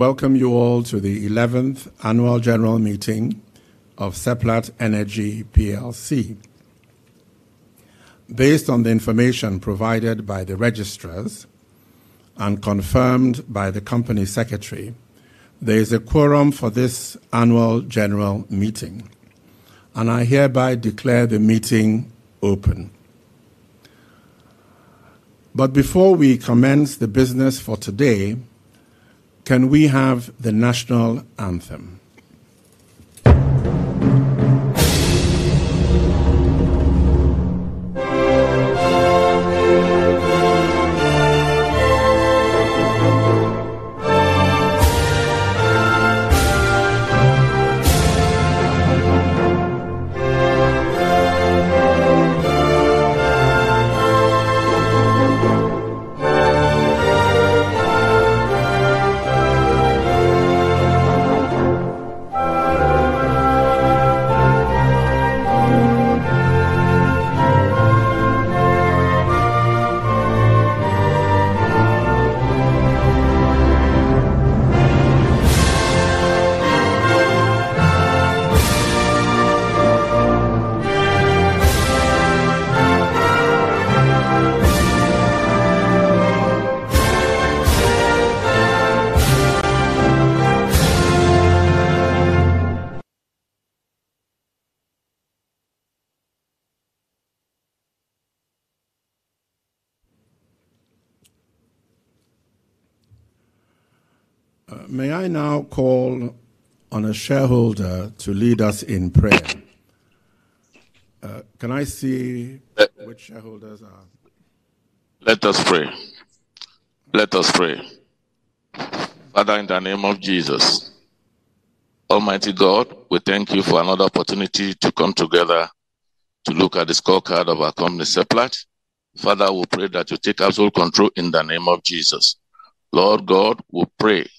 Welcome you all to the eleventh annual general meeting of Seplat Energy Plc. Based on the information provided by the registrars and confirmed by the company secretary, there is a quorum for this annual general meeting, and I hereby declare the meeting open. But before we commence the business for today, can we have the national anthem? May I now call on a shareholder to lead us in prayer? Can I see which shareholders are- Let us pray. Let us pray. Father, in the name of Jesus, almighty God, we thank you for another opportunity to come together to look at the scorecard of our company, Seplat. Father, we pray that you take absolute control in the name of Jesus. Lord God, we pray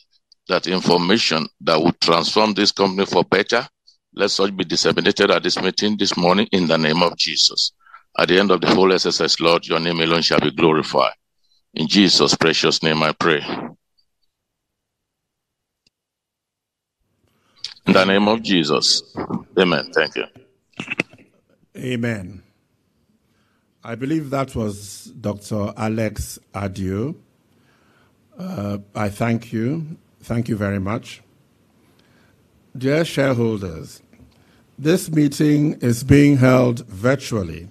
that information that will transform this company for better, let such be disseminated at this meeting this morning in the name of Jesus. At the end of the whole exercise, Lord, your name alone shall be glorified. In Jesus' precious name, I pray. In the name of Jesus, amen. Thank you. Amen. I believe that was Dr. Alex Adio. I thank you. Thank you very much. Dear shareholders, this meeting is being held virtually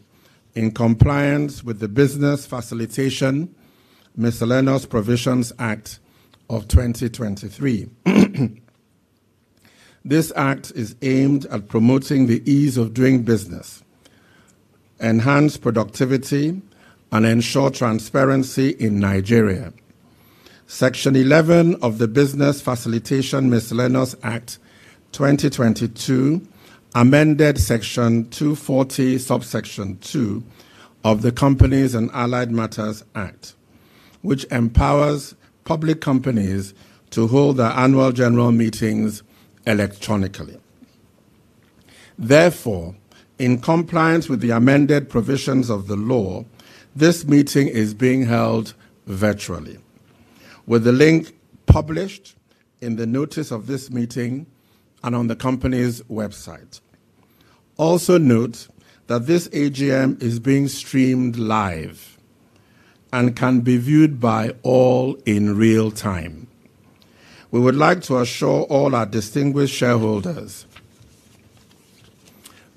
in compliance with the Business Facilitation (Miscellaneous Provisions) Act, of 2023. This act is aimed at promoting the ease of doing business, enhance productivity, and ensure transparency in Nigeria. Section 11 of the Business Facilitation (Miscellaneous Provisions) Act, 2022 amended Section 240, Subsection 2 of the Companies and Allied Matters Act, which empowers public companies to hold their annual general meetings electronically. Therefore, in compliance with the amended provisions of the law, this meeting is being held virtually, with the link published in the notice of this meeting and on the company's website. Also note that this AGM is being streamed live and can be viewed by all in real time. We would like to assure all our distinguished shareholders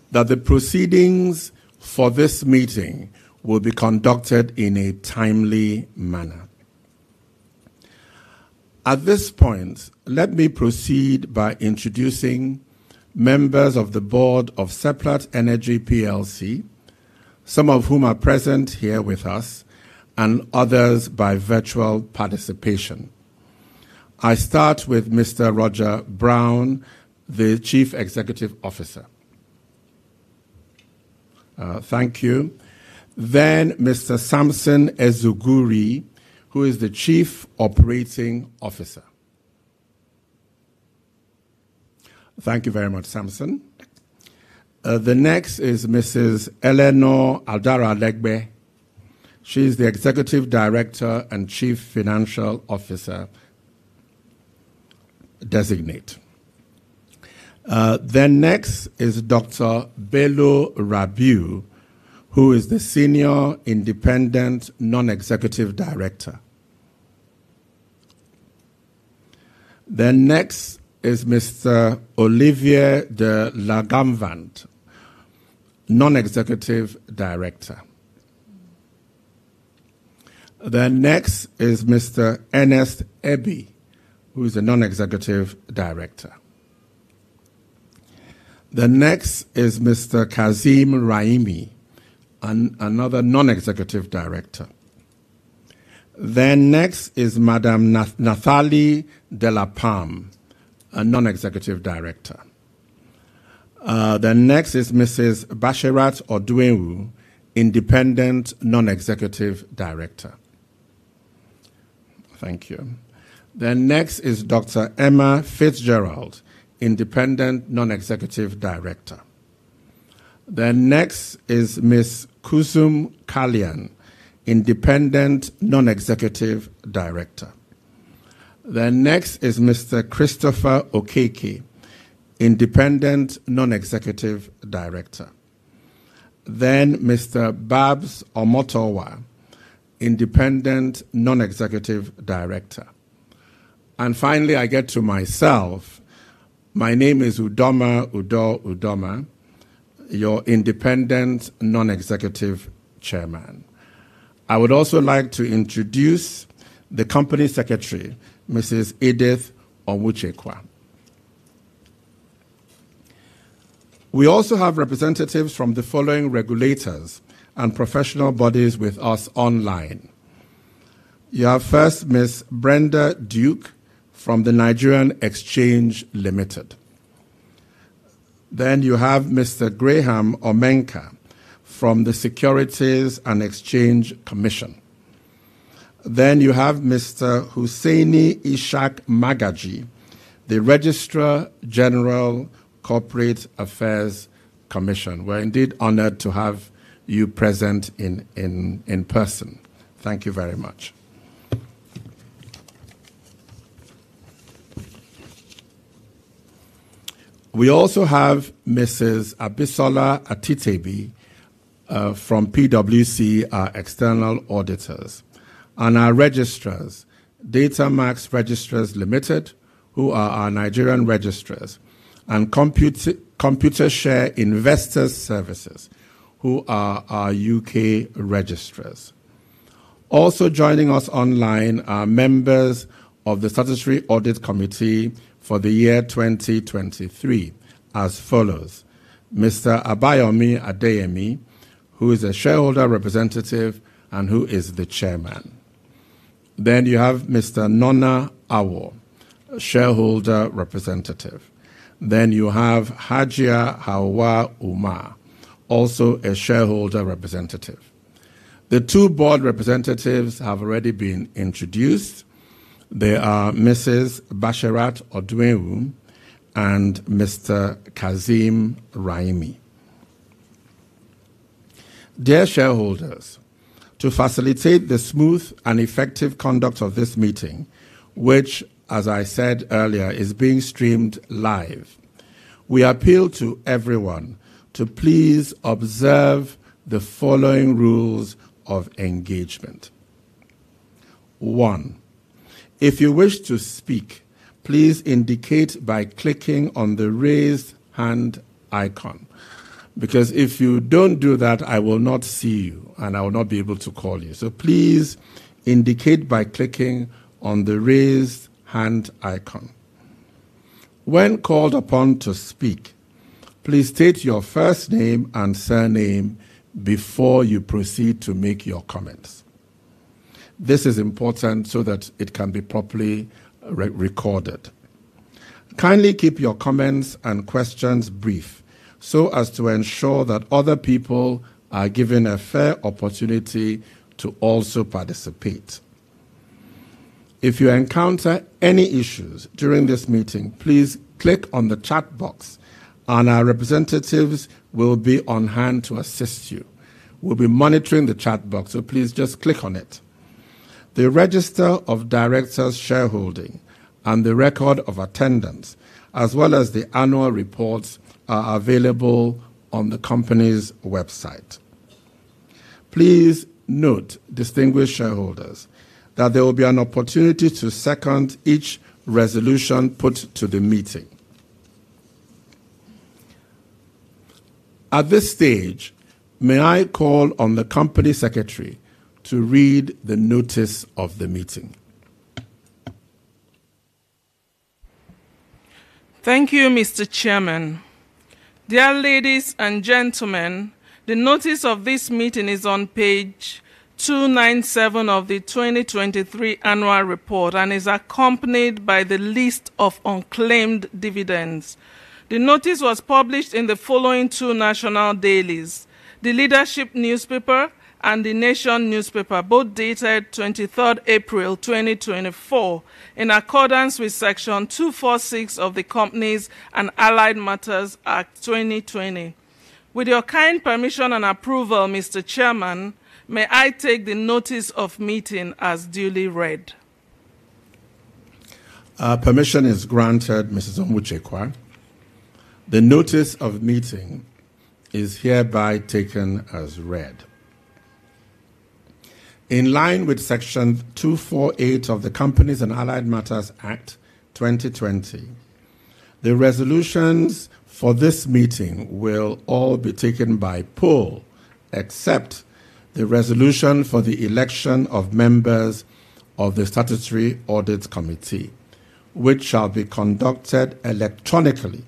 that the proceedings for this meeting will be conducted in a timely manner. At this point, let me proceed by introducing members of the board of Seplat Energy Plc, some of whom are present here with us and others by virtual participation. I start with Mr. Roger Brown, the Chief Executive Officer. Thank you. Then Mr. Samson Ezugworie, who is the Chief Operating Officer. Thank you very much, Samson. The next is Mrs. Eleanor Adaralegbe. She's the Executive Director and Chief Financial Officer designate. Then next is Dr. Bello Rabiu, who is the senior independent non-executive director. Then next is Mr. Olivier Cléret de Langavant, non-executive director. Then next is Mr. Ernest Ebi, who is a non-executive director. The next is Mr. Kazeem Raimi, another non-executive director. Then next is Madam Nathalie Delapalme, a non-executive director. Then next is Mrs. Bashirat Odunewu, independent non-executive director. Thank you. Then next is Dr. Emma Fitzgerald, independent non-executive director. Then next is Ms. Koosum Kalyan, independent non-executive director. Then next is Mr. Christopher Okeke, independent non-executive director. Then Mr. Babs Omotowa, independent non-executive director. And finally, I get to myself. My name is Udoma Udo Udoma, your independent non-executive chairman. I would also like to introduce the company secretary, Mrs. Edith Onwuchekwa. We also have representatives from the following regulators and professional bodies with us online. You have first Ms. Brenda Unu from the Nigerian Exchange Limited. Then you have Mr. Graham Omenka from the Securities and Exchange Commission. Then you have Mr. Hussaini Ishaq Magaji, the registrar general, Corporate Affairs Commission. We're indeed honored to have you present in person. Thank you very much. We also have Mrs. Abisola Atitebi from PwC, our external auditors, and our registrars, DataMax Registrars Limited, who are our Nigerian registrars, and Computershare Investor Services, who are our UK registrars. Also joining us online are members of the Statutory Audit Committee for the year 2023 as follows: Mr. Abayomi Adeyemi, who is a shareholder representative and who is the chairman. Then you have Mr. Nornah Awoh, a shareholder representative. Then you have Hajia Hauwa Umar, also a shareholder representative. The two board representatives have already been introduced. They are Mrs. Bashirat Odunewu and Mr. Kazeem Raimi. Dear shareholders, to facilitate the smooth and effective conduct of this meeting, which, as I said earlier, is being streamed live, we appeal to everyone to please observe the following rules of engagement. One, if you wish to speak, please indicate by clicking on the Raise Hand icon, because if you don't do that, I will not see you, and I will not be able to call you. So please indicate by clicking on the Raise Hand icon. When called upon to speak, please state your first name and surname before you proceed to make your comments. This is important so that it can be properly re-recorded. Kindly keep your comments and questions brief so as to ensure that other people are given a fair opportunity to also participate. If you encounter any issues during this meeting, please click on the chat box, and our representatives will be on hand to assist you. We'll be monitoring the chat box, so please just click on it. The register of directors' shareholding and the record of attendance, as well as the annual reports, are available on the company's website. Please note, distinguished shareholders, that there will be an opportunity to second each resolution put to the meeting. At this stage, may I call on the company secretary to read the notice of the meeting? Thank you, Mr. Chairman. Dear ladies and gentlemen, the notice of this meeting is on page 297 of the 2023 annual report and is accompanied by the list of unclaimed dividends. The notice was published in the following two national dailies: The Leadership newspaper and The Nation newspaper, both dated 23 April 2024, in accordance with Section 246 of the Companies and Allied Matters Act 2020. With your kind permission and approval, Mr. Chairman, may I take the notice of meeting as duly read? Permission is granted, Mrs. Onwuchekwa. The notice of meeting is hereby taken as read. In line with Section 248 of the Companies and Allied Matters Act 2020, the resolutions for this meeting will all be taken by poll, except the resolution for the election of members of the Statutory Audit Committee, which shall be conducted electronically,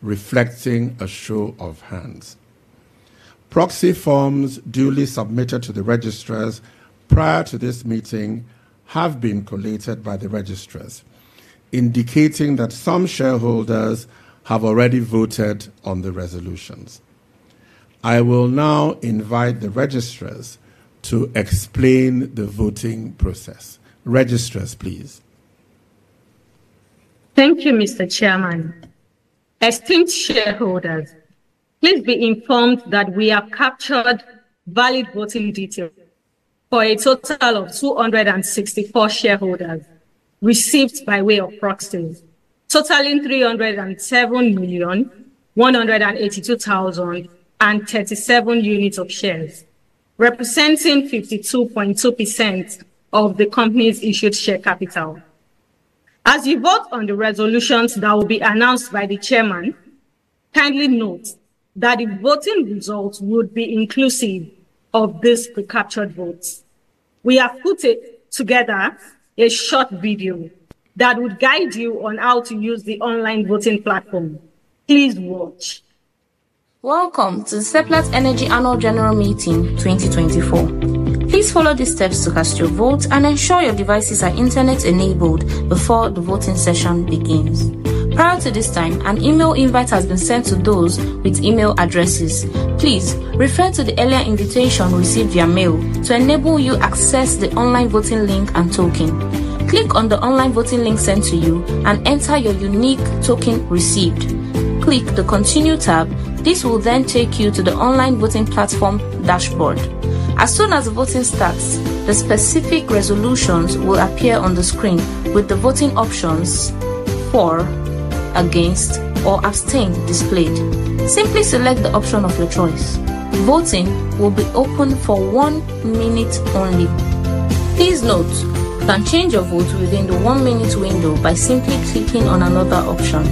reflecting a show of hands. Proxy forms duly submitted to the registrars prior to this meeting have been collated by the registrars, indicating that some shareholders have already voted on the resolutions. I will now invite the registrars to explain the voting process. Registrars, please.... Thank you, Mr. Chairman. Esteemed shareholders, please be informed that we have captured valid voting details for a total of 264 shareholders, received by way of proxies, totaling 307,182,037 units of shares, representing 52.2% of the company's issued share capital. As you vote on the resolutions that will be announced by the chairman, kindly note that the voting results would be inclusive of these pre-captured votes. We have put it together a short video that would guide you on how to use the online voting platform. Please watch. Welcome to Seplat Energy Annual General Meeting 2024. Please follow these steps to cast your vote and ensure your devices are internet-enabled before the voting session begins. Prior to this time, an email invite has been sent to those with email addresses. Please refer to the earlier invitation received via mail to enable you access the online voting link and token. Click on the online voting link sent to you and enter your unique token received. Click the Continue tab. This will then take you to the online voting platform dashboard. As soon as the voting starts, the specific resolutions will appear on the screen, with the voting options: for, against, or abstain displayed. Simply select the option of your choice. Voting will be open for one minute only. Please note, you can change your vote within the one-minute window by simply clicking on another option.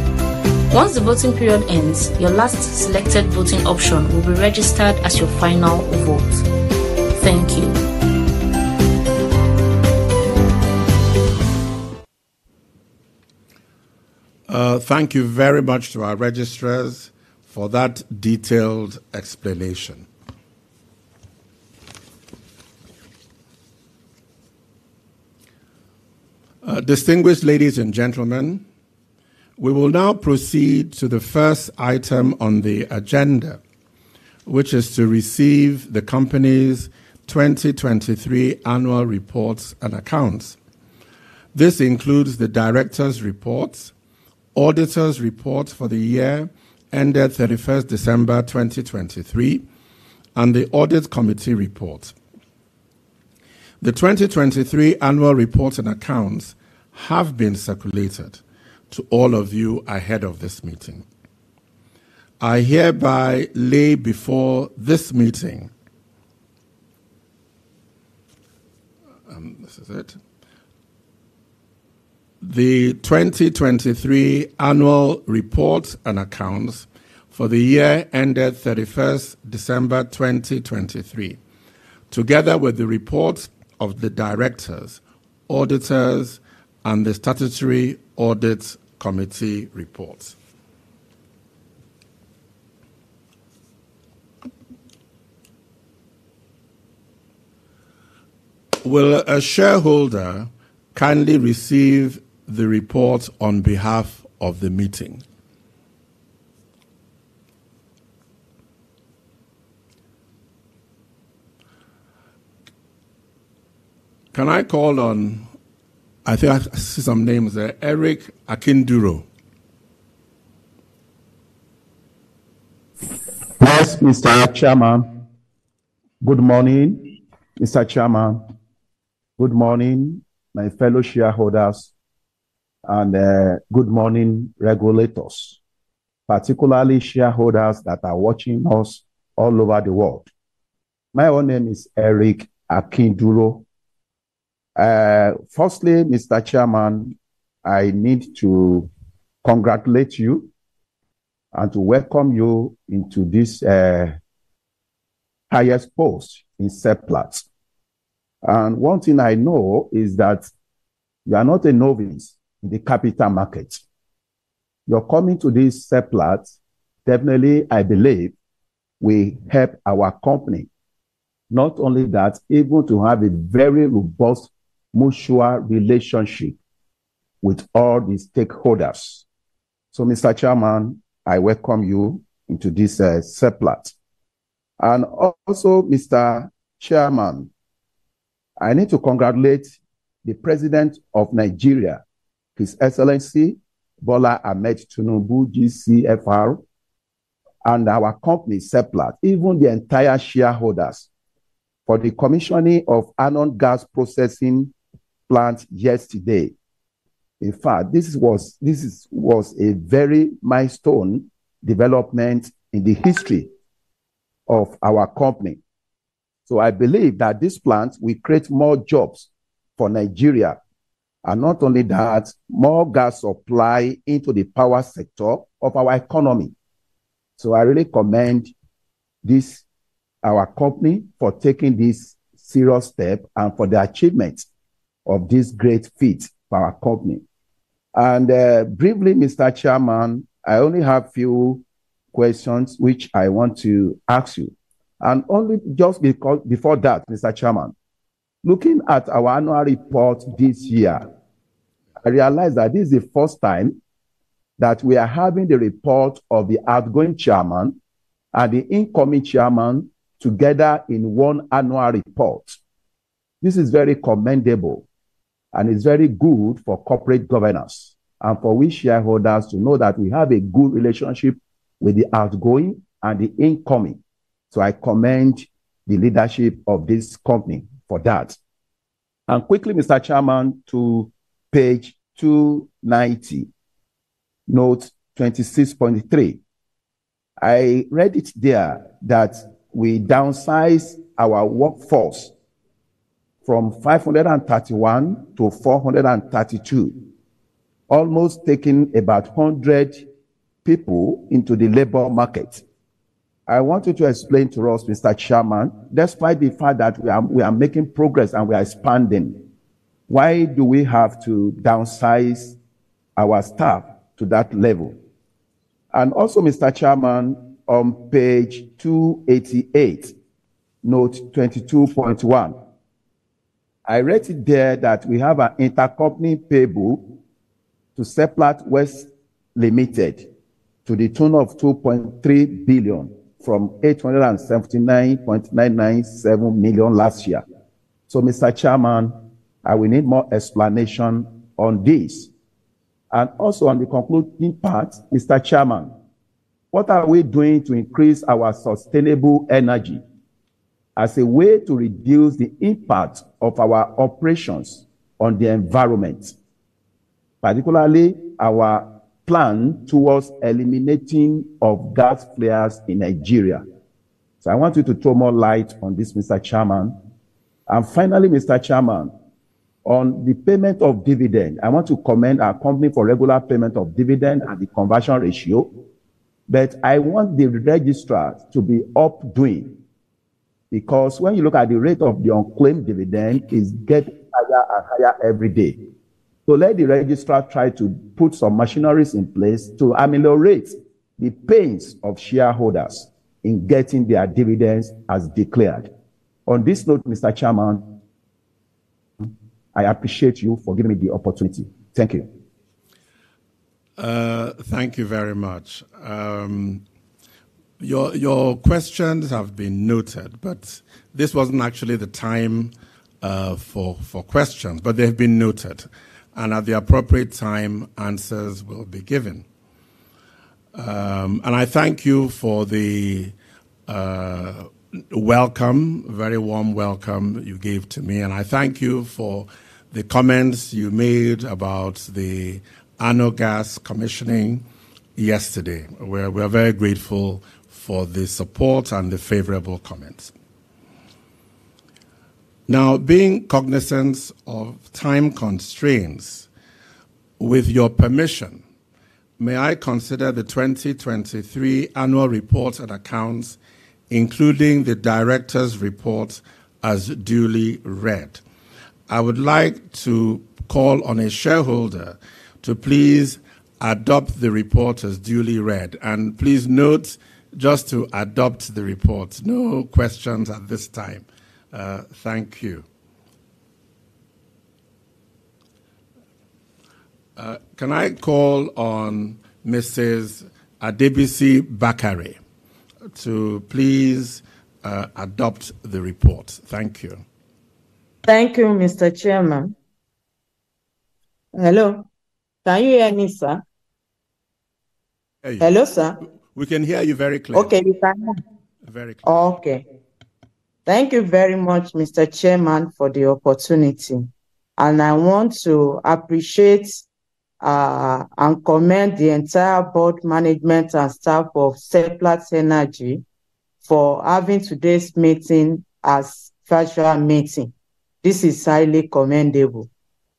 Once the voting period ends, your last selected voting option will be registered as your final vote. Thank you. Thank you very much to our registrars for that detailed explanation. Distinguished ladies and gentlemen, we will now proceed to the first item on the agenda, which is to receive the company's 2023 annual reports and accounts. This includes the directors' reports, auditors' reports for the year ended 31 December 2023, and the audit committee report. The 2023 annual reports and accounts have been circulated to all of you ahead of this meeting. I hereby lay before this meeting, this is it, the 2023 annual report and accounts for the year ended 31 December 2023, together with the reports of the directors, auditors, and the Statutory Audit Committee reports. Will a shareholder kindly receive the report on behalf of the meeting? Can I call on... I think I see some names there. Eric Akinduro. Yes, Mr. Chairman. Good morning, Mr. Chairman. Good morning, my fellow shareholders, and, good morning, regulators, particularly shareholders that are watching us all over the world. My own name is Eric Akinduro. Firstly, Mr. Chairman, I need to congratulate you and to welcome you into this, highest post in Seplat. And one thing I know is that you are not a novice in the capital market. Your coming to this Seplat, definitely, I believe, will help our company. Not only that, able to have a very robust, mutual relationship with all the stakeholders. So, Mr. Chairman, I welcome you into this, Seplat. And also, Mr. Chairman, I need to congratulate the President of Nigeria, His Excellency Bola Ahmed Tinubu GCFR, and our company, Seplat, even the entire shareholders, for the commissioning of ANOH Gas Processing Plant yesterday. In fact, this was, this was a very milestone development in the history of our company. So I believe that this plant will create more jobs for Nigeria, and not only that, more gas supply into the power sector of our economy. So I really commend this, our company, for taking this serious step and for the achievement of this great feat for our company. And, briefly, Mr. Chairman, I only have few questions which I want to ask you. And only just before that, Mr. Chairman, looking at our annual report this year, I realized that this is the first time that we are having the report of the outgoing chairman and the incoming chairman together in one annual report. This is very commendable, and it's very good for corporate governance and for we shareholders to know that we have a good relationship with the outgoing and the incoming. So I commend the leadership of this company for that. And quickly, Mr. Chairman, to page 290, note 26.3. I read it there that we downsized our workforce from 531 to 432, almost taking about 100 people into the labor market. I want you to explain to us, Mr. Chairman, despite the fact that we are, we are making progress and we are expanding, why do we have to downsize our staff to that level? And also, Mr. Chairman, on page 288, note 22.1, I read it there that we have an intercompany payable to Seplat West Limited, to the tune of 2.3 billion from 879.997 million last year. So, Mr. Chairman, I will need more explanation on this. And also, on the concluding part, Mr. Chairman, what are we doing to increase our sustainable energy as a way to reduce the impact of our operations on the environment, particularly our plan towards eliminating of gas flares in Nigeria? So I want you to throw more light on this, Mr. Chairman. And finally, Mr. Chairman, on the payment of dividend, I want to commend our company for regular payment of dividend and the conversion ratio, but I want the registrar to be up and doing, because when you look at the rate of the unclaimed dividend, it's getting higher and higher every day. Let the registrar try to put some machinery in place to ameliorate the pains of shareholders in getting their dividends as declared. On this note, Mr. Chairman, I appreciate you for giving me the opportunity. Thank you. Thank you very much. Your questions have been noted, but this wasn't actually the time for questions, but they've been noted, and at the appropriate time, answers will be given. And I thank you for the welcome, very warm welcome you gave to me, and I thank you for the comments you made about the ANOH Gas commissioning yesterday, where we're very grateful for the support and the favorable comments. Now, being cognizant of time constraints, with your permission, may I consider the 2023 annual report and accounts, including the directors' report, as duly read? I would like to call on a shareholder to please adopt the report as duly read. Please note, just to adopt the report, no questions at this time. Thank you. Can I call on Mrs. Adebisi Bakare to please adopt the report? Thank you. Thank you, Mr. Chairman. Hello? Can you hear me, sir? Hey. Hello, sir? We can hear you very clearly. Okay, we can hear. Very clear. Okay. Thank you very much, Mr. Chairman, for the opportunity. I want to appreciate and commend the entire board, management, and staff of Seplat Energy for having today's meeting as virtual meeting. This is highly commendable.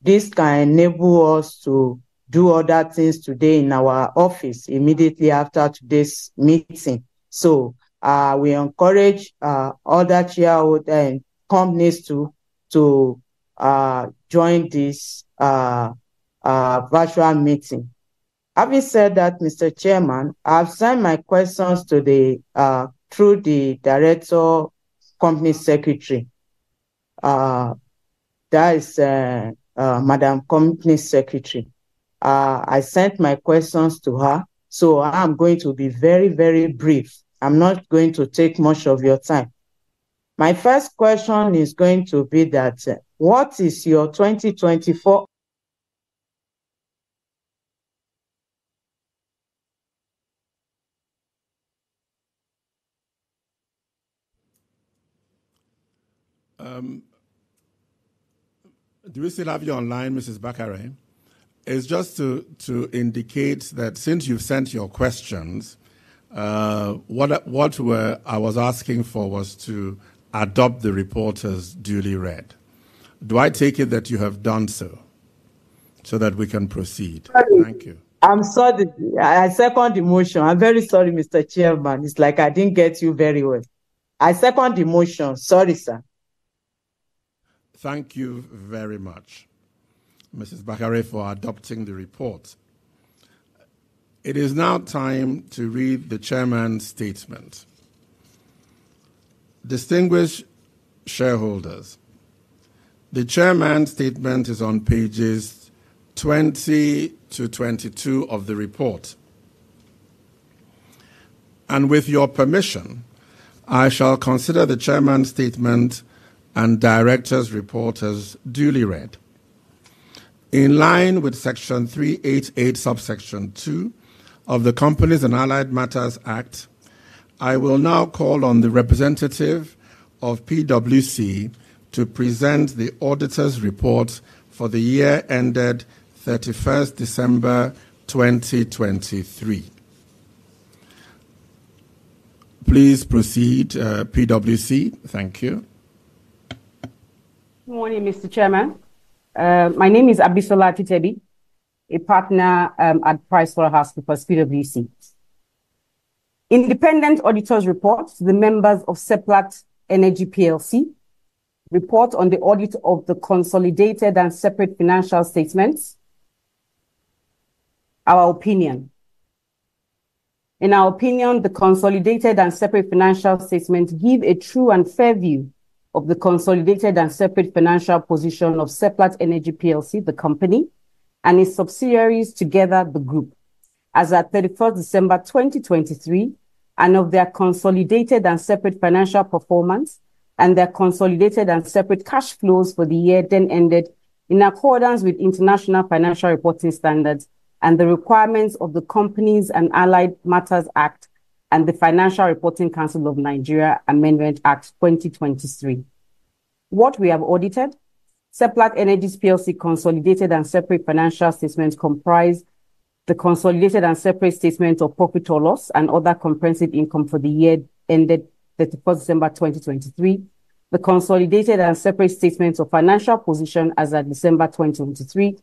This can enable us to do other things today in our office immediately after today's meeting. So, we encourage other shareholder and companies to virtual meeting. Having said that, Mr. Chairman, I've sent my questions through the company secretary. That is, Madam Company Secretary. I sent my questions to her, so I'm going to be very, very brief. I'm not going to take much of your time. My first question is going to be that: What is your 2024- Do we still have you online, Mrs. Bakare? It's just to indicate that since you've sent your questions, what I was asking for was to adopt the report as duly read. Do I take it that you have done so, so that we can proceed? Sorry. Thank you. I'm sorry. I second the motion. I'm very sorry, Mr. Chairman. It's like I didn't get you very well. I second the motion. Sorry, sir. Thank you very much, Mrs. Bakare, for adopting the report. It is now time to read the chairman's statement. Distinguished shareholders, the chairman's statement is on pages 20 to 22 of the report, and with your permission, I shall consider the chairman's statement and directors' report as duly read. In line with Section 388, Subsection 2 of the Companies and Allied Matters Act, I will now call on the representative of PwC to present the auditor's report for the year ended 31st December 2023. Please proceed, PwC. Thank you. Good morning, Mr. Chairman. My name is Abisola Atitebi, a partner at PricewaterhouseCoopers, PwC. Independent Auditor's Report to the members of Seplat Energy Plc. Report on the audit of the consolidated and separate financial statements. Our opinion. In our opinion, the consolidated and separate financial statements give a true and fair view of the consolidated and separate financial position of Seplat Energy Plc, the company, and its subsidiaries together, the group, as at 31st December 2023, and of their consolidated and separate financial performance, and their consolidated and separate cash flows for the year then ended, in accordance with International Financial Reporting Standards and the requirements of the Companies and Allied Matters Act, and the Financial Reporting Council of Nigeria Amendment Act, 2023. What we have audited: Seplat Energy Plc consolidated and separate financial statements comprise the consolidated and separate statement of profit or loss and other comprehensive income for the year ended 31 December 2023, the consolidated and separate statement of financial position as at 31 December 2023,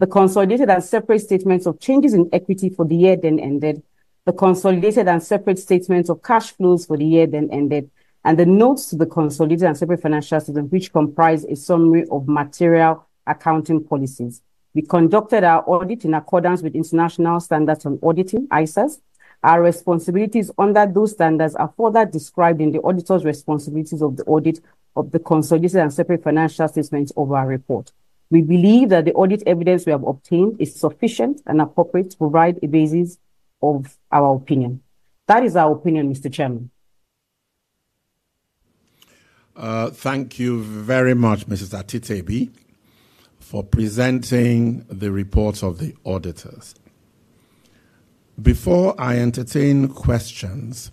the consolidated and separate statement of changes in equity for the year then ended, the consolidated and separate statement of cash flows for the year then ended, and the notes to the consolidated and separate financial statement, which comprise a summary of material accounting policies. We conducted our audit in accordance with International Standards on Auditing, ISAs. Our responsibilities under those standards are further described in the auditor's responsibilities of the audit of the consolidated and separate financial statements of our report. We believe that the audit evidence we have obtained is sufficient and appropriate to provide a basis of our opinion. That is our opinion, Mr. Chairman. Thank you very much, Mrs. Atitebi, for presenting the report of the auditors. Before I entertain questions,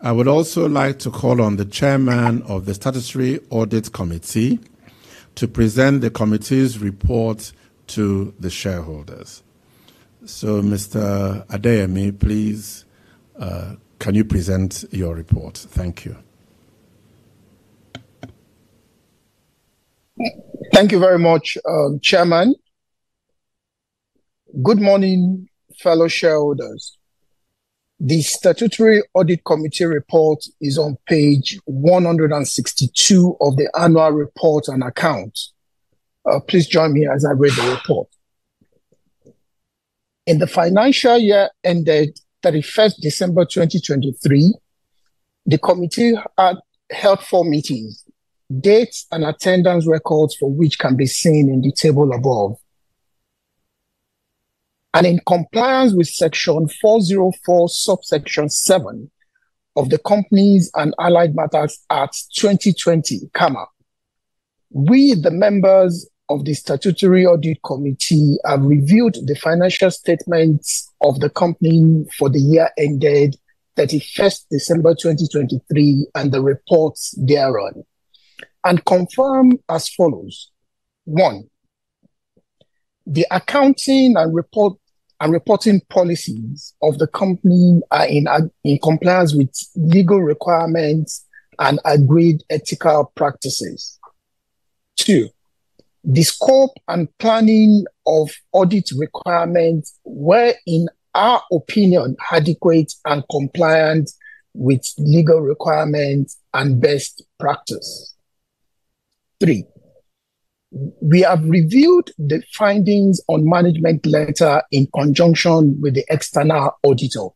I would also like to call on the chairman of the Statutory Audit Committee to present the committee's report to the shareholders. So Mr. Adeyemi, please, can you present your report? Thank you. Thank you very much, Chairman. Good morning, fellow shareholders. The Statutory Audit Committee report is on page 162 of the annual report and accounts. Please join me as I read the report. In the financial year ended 31 December 2023, the committee held 4 meetings, dates and attendance records for which can be seen in the table above. In compliance with Section 404, Subsection 7 of the Companies and Allied Matters Act 2020, we, the members of the Statutory Audit Committee, have reviewed the financial statements of the Company for the year ended 31 December 2023, and the reports thereon, and confirm as follows: 1, the accounting and reporting policies of the Company are in compliance with legal requirements and agreed ethical practices. Two, the scope and planning of audit requirements were, in our opinion, adequate and compliant with legal requirements and best practice. Three, we have reviewed the findings on management letter in conjunction with the external auditor,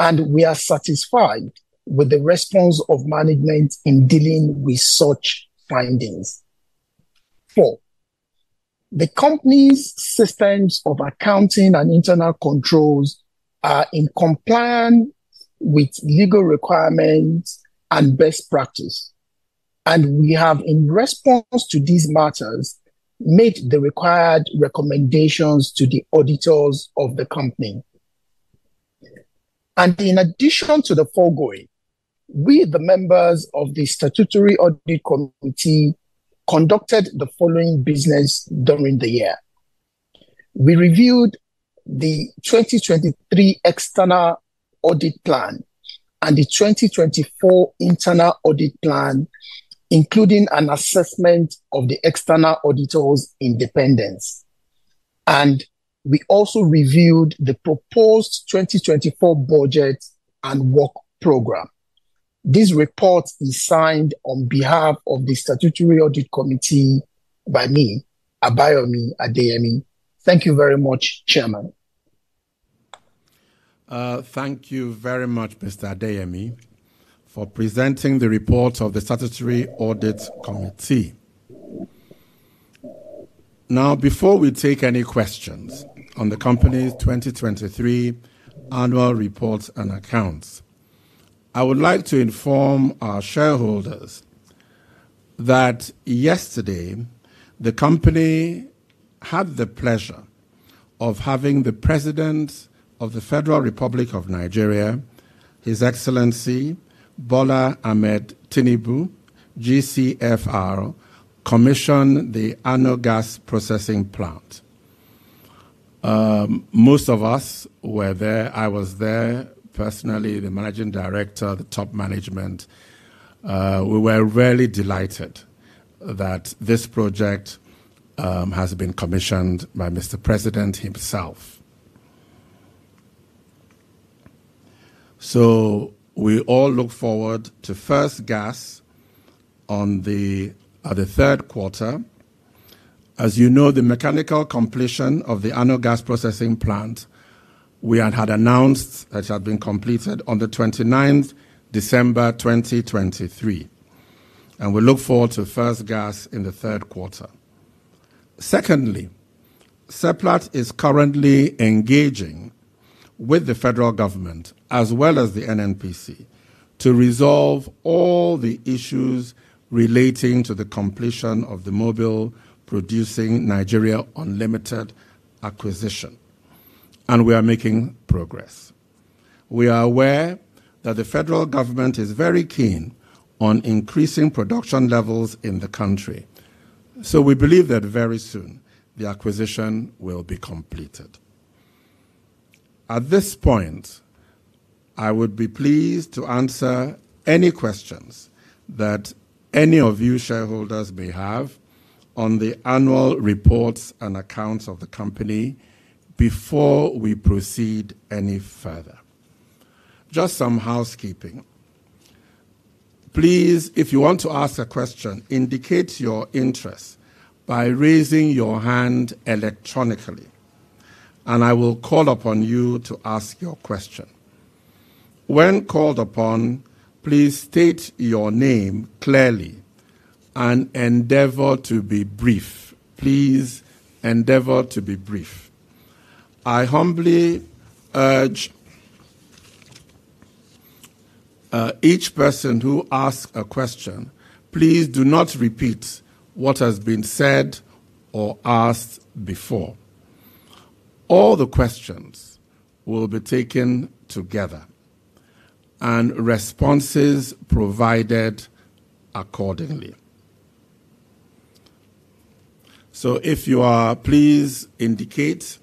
and we are satisfied with the response of management in dealing with such findings. Four, the Company's systems of accounting and internal controls are in compliance with legal requirements and best practice, and we have, in response to these matters, made the required recommendations to the auditors of the company. And in addition to the foregoing, we, the members of the Statutory Audit Committee, conducted the following business during the year. We reviewed the 2023 external audit plan and the 2024 internal audit plan, including an assessment of the external auditor's independence, and we also reviewed the proposed 2024 budget and work program. This report is signed on behalf of the Statutory Audit Committee by me, Abayomi Adeyemi. Thank you very much, Chairman. Thank you very much, Mr. Adeyemi, for presenting the report of the Statutory Audit Committee. Now, before we take any questions on the company's 2023 annual reports and accounts, I would like to inform our shareholders that yesterday, the company had the pleasure of having the President of the Federal Republic of Nigeria, His Excellency Bola Ahmed Tinubu, GCFR, commission the ANOH Gas Processing Plant. Most of us were there. I was there personally, the managing director, the top management. We were really delighted that this project has been commissioned by Mr. President himself. So we all look forward to first gas in the Q3. As you know, the mechanical completion of the ANOH Gas Processing Plant, we had announced that it had been completed on the 29th December 2023, and we look forward to first gas in the Q3. Secondly, Seplat is currently engaging with the federal government, as well as the NNPC, to resolve all the issues relating to the completion of the Mobil Producing Nigeria Unlimited acquisition, and we are making progress. We are aware that the federal government is very keen on increasing production levels in the country, so we believe that very soon the acquisition will be completed. At this point, I would be pleased to answer any questions that any of you shareholders may have on the annual reports and accounts of the company before we proceed any further. Just some housekeeping. Please, if you want to ask a question, indicate your interest by raising your hand electronically, and I will call upon you to ask your question. When called upon, please state your name clearly and endeavor to be brief. Please, endeavor to be brief. I humbly urge each person who asks a question, please do not repeat what has been said or asked before. All the questions will be taken together, and responses provided accordingly. So if you are, please indicate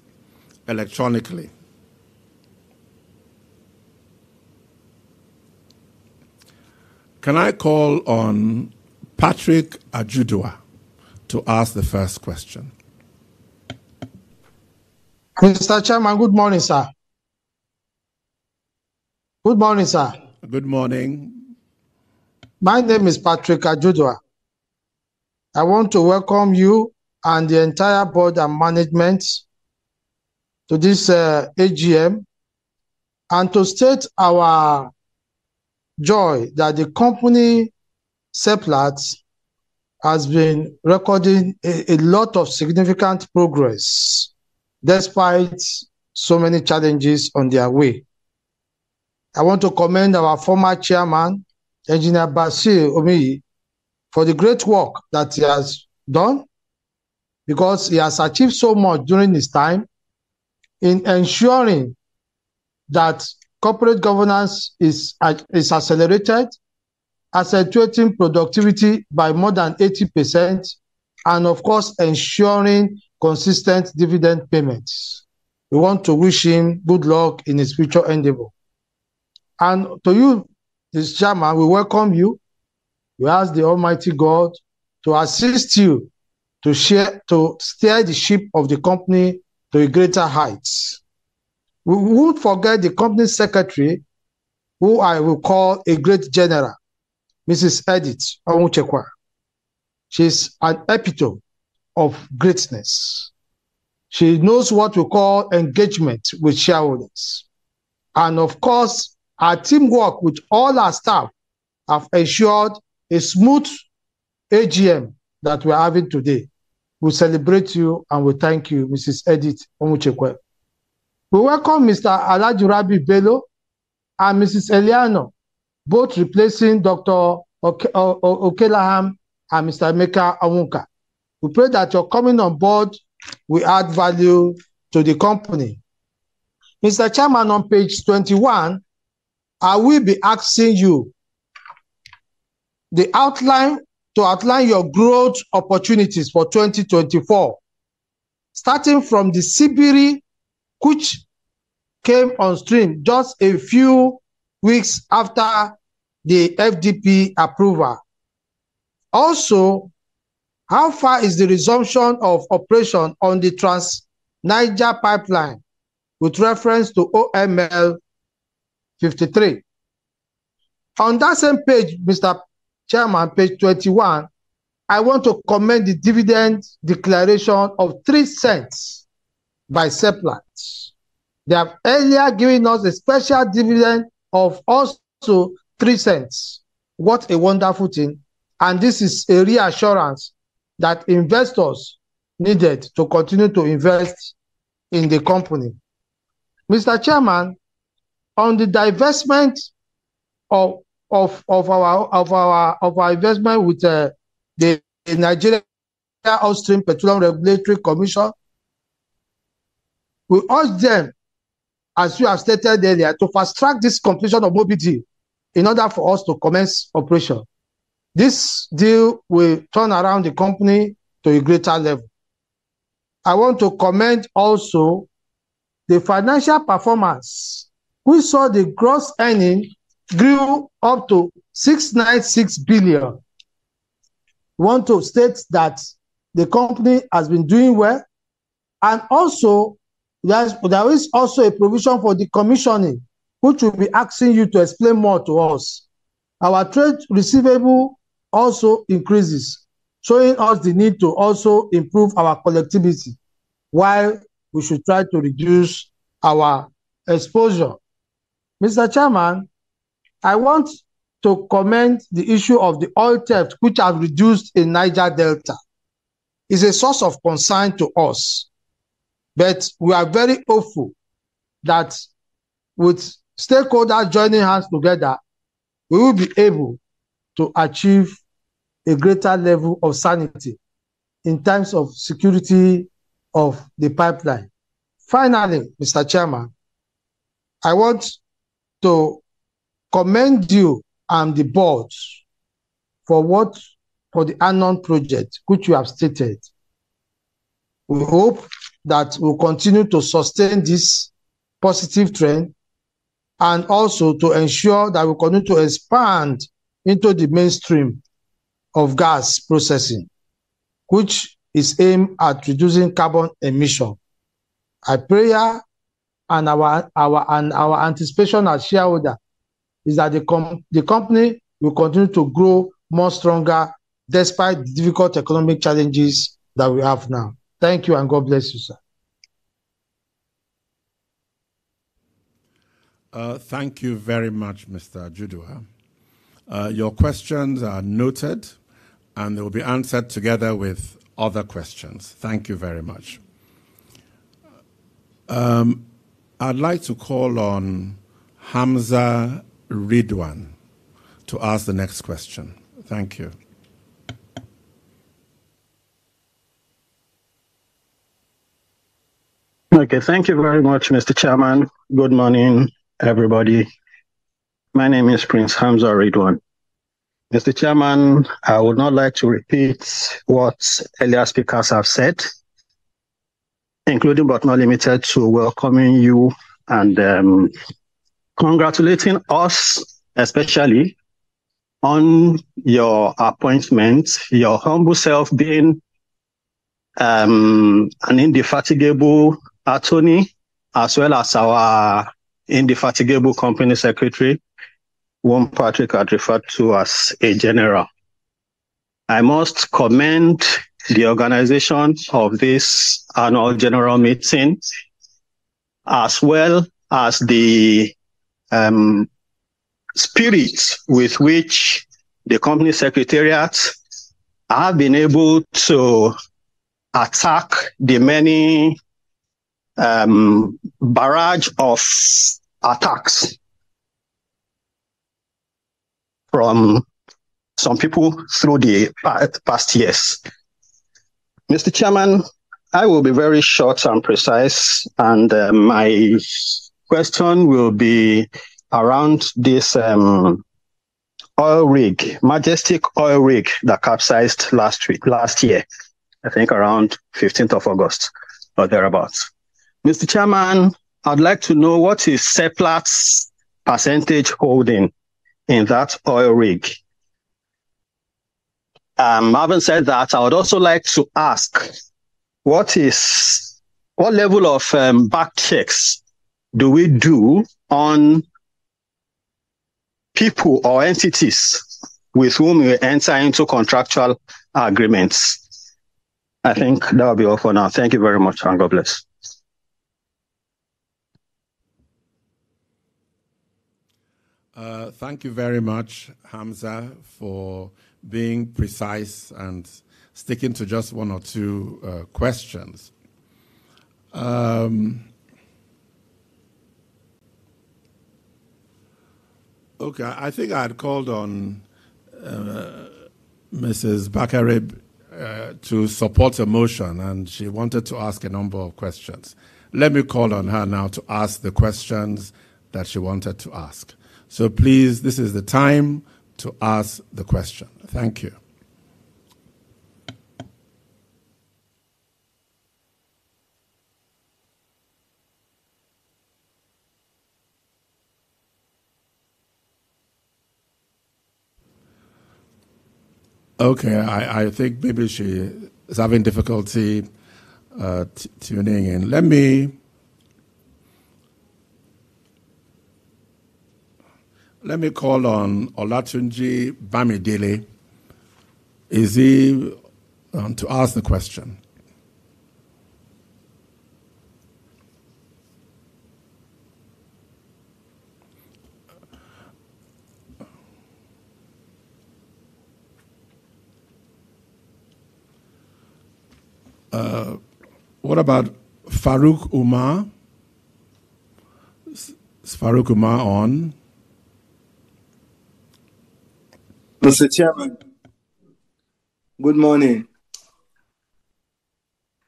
electronically. Can I call on Patrick Ajudua to ask the first question? Mr. Chairman, good morning, sir. Good morning, sir. Good morning. My name is Patrick Ajudua. I want to welcome you and the entire board and management to this, AGM, and to state our joy that the company, Seplat, has been recording a lot of significant progress despite so many challenges on their way. I want to commend our former chairman, Engineer Basil Omiyi, for the great work that he has done, because he has achieved so much during his time in ensuring that corporate governance is accelerated, accentuating productivity by more than 80%, and of course, ensuring consistent dividend payments. We want to wish him good luck in his future endeavor. And to you, this chairman, we welcome you. We ask the Almighty God to assist you to steer the ship of the company to a greater heights. We won't forget the company secretary, who I will call a great general, Mrs. Edith Onwuchekwa. She's an epitome of greatness. She knows what we call engagement with shareholders, and of course, her teamwork with all our staff have ensured a smooth AGM that we're having today. We celebrate you, and we thank you, Mrs. Edith Onwuchekwa. We welcome Mr. Alhaji Rabiu Bello and Mrs. Eleanor, both replacing Dr. Charles Okeahalam and Mr. Emeka Onwuka. We pray that your coming on board will add value to the company. Mr. Chairman, on page 21, I will be asking you the outline... To outline your growth opportunities for 2024, starting from the Sibiri, which came on stream just a few weeks after the FDP approval. Also, how far is the resumption of operation on the Trans Niger Pipeline, with reference to OML 53? On that same page, Mr. Chairman, page 21, I want to commend the dividend declaration of $0.03 by Seplat. They have earlier given us a special dividend of $0.03. What a wonderful thing, and this is a reassurance that investors needed to continue to invest in the company. Mr. Chairman, on the divestment of our investment with the Nigerian Upstream Petroleum Regulatory Commission, we urge them, as you have stated earlier, to fast-track this completion of MPNU in order for us to commence operation. This deal will turn around the company to a greater level. I want to comment also the financial performance. We saw the gross earning grew up to 696 billion. We want to state that the company has been doing well, and also there is also a provision for the commissioning, which we'll be asking you to explain more to us. Our trade receivable also increases, showing us the need to also improve our collectivity, while we should try to reduce our exposure. Mr. Chairman, I want to comment the issue of the oil theft, which have reduced in Niger Delta. It's a source of concern to us, but we are very hopeful that with stakeholder joining hands together, we will be able to achieve a greater level of sanity in terms of security of the pipeline. Finally, Mr. Chairman, I want to commend you and the board for what—for the ANOH project, which you have stated. We hope that we'll continue to sustain this positive trend and also to ensure that we continue to expand into the mainstream of gas processing, which is aimed at reducing carbon emission. Our prayer and our anticipation as shareholder is that the company will continue to grow more stronger despite the difficult economic challenges that we have now. Thank you, and God bless you, sir. Thank you very much, Mr. Ajudua. Your questions are noted, and they will be answered together with other questions. Thank you very much. I'd like to call on Hamza Rilwan to ask the next question. Thank you. Okay. Thank you very much, Mr. Chairman. Good morning, everybody. My name is Prince Hamza Rilwan. Mr. Chairman, I would not like to repeat what earlier speakers have said, including but not limited to welcoming you and, congratulating us, especially on your appointment, your humble self being, an indefatigable attorney, as well as our indefatigable company secretary, whom Patrick had referred to as a general. I must commend the organization of this annual general meeting, as well as the, spirit with which the company secretariat have been able to attack the many, barrage of attacks from some people through the past years. Mr. Chairman, I will be very short and precise, and, my question will be around this, oil rig, Majestic oil rig that capsized last week... last year, I think around 15th of August or thereabout. Mr. Chairman, I'd like to know what is Seplat's percentage holding in that oil rig? Having said that, I would also like to ask, what level of back checks do we do on people or entities with whom we enter into contractual agreements? I think that will be all for now. Thank you very much, and God bless. Thank you very much, Hamza, for being precise and sticking to just one or two questions. Okay, I think I had called on Mrs. Bakare to support a motion, and she wanted to ask a number of questions. Let me call on her now to ask the questions that she wanted to ask. So please, this is the time to ask the question. Thank you. Okay, I think maybe she is having difficulty tuning in. Let me call on Olatunji Bamidele. Is he to ask the question? What about Farooq Umar? Is Farooq Umar on? Mr. Chairman, good morning.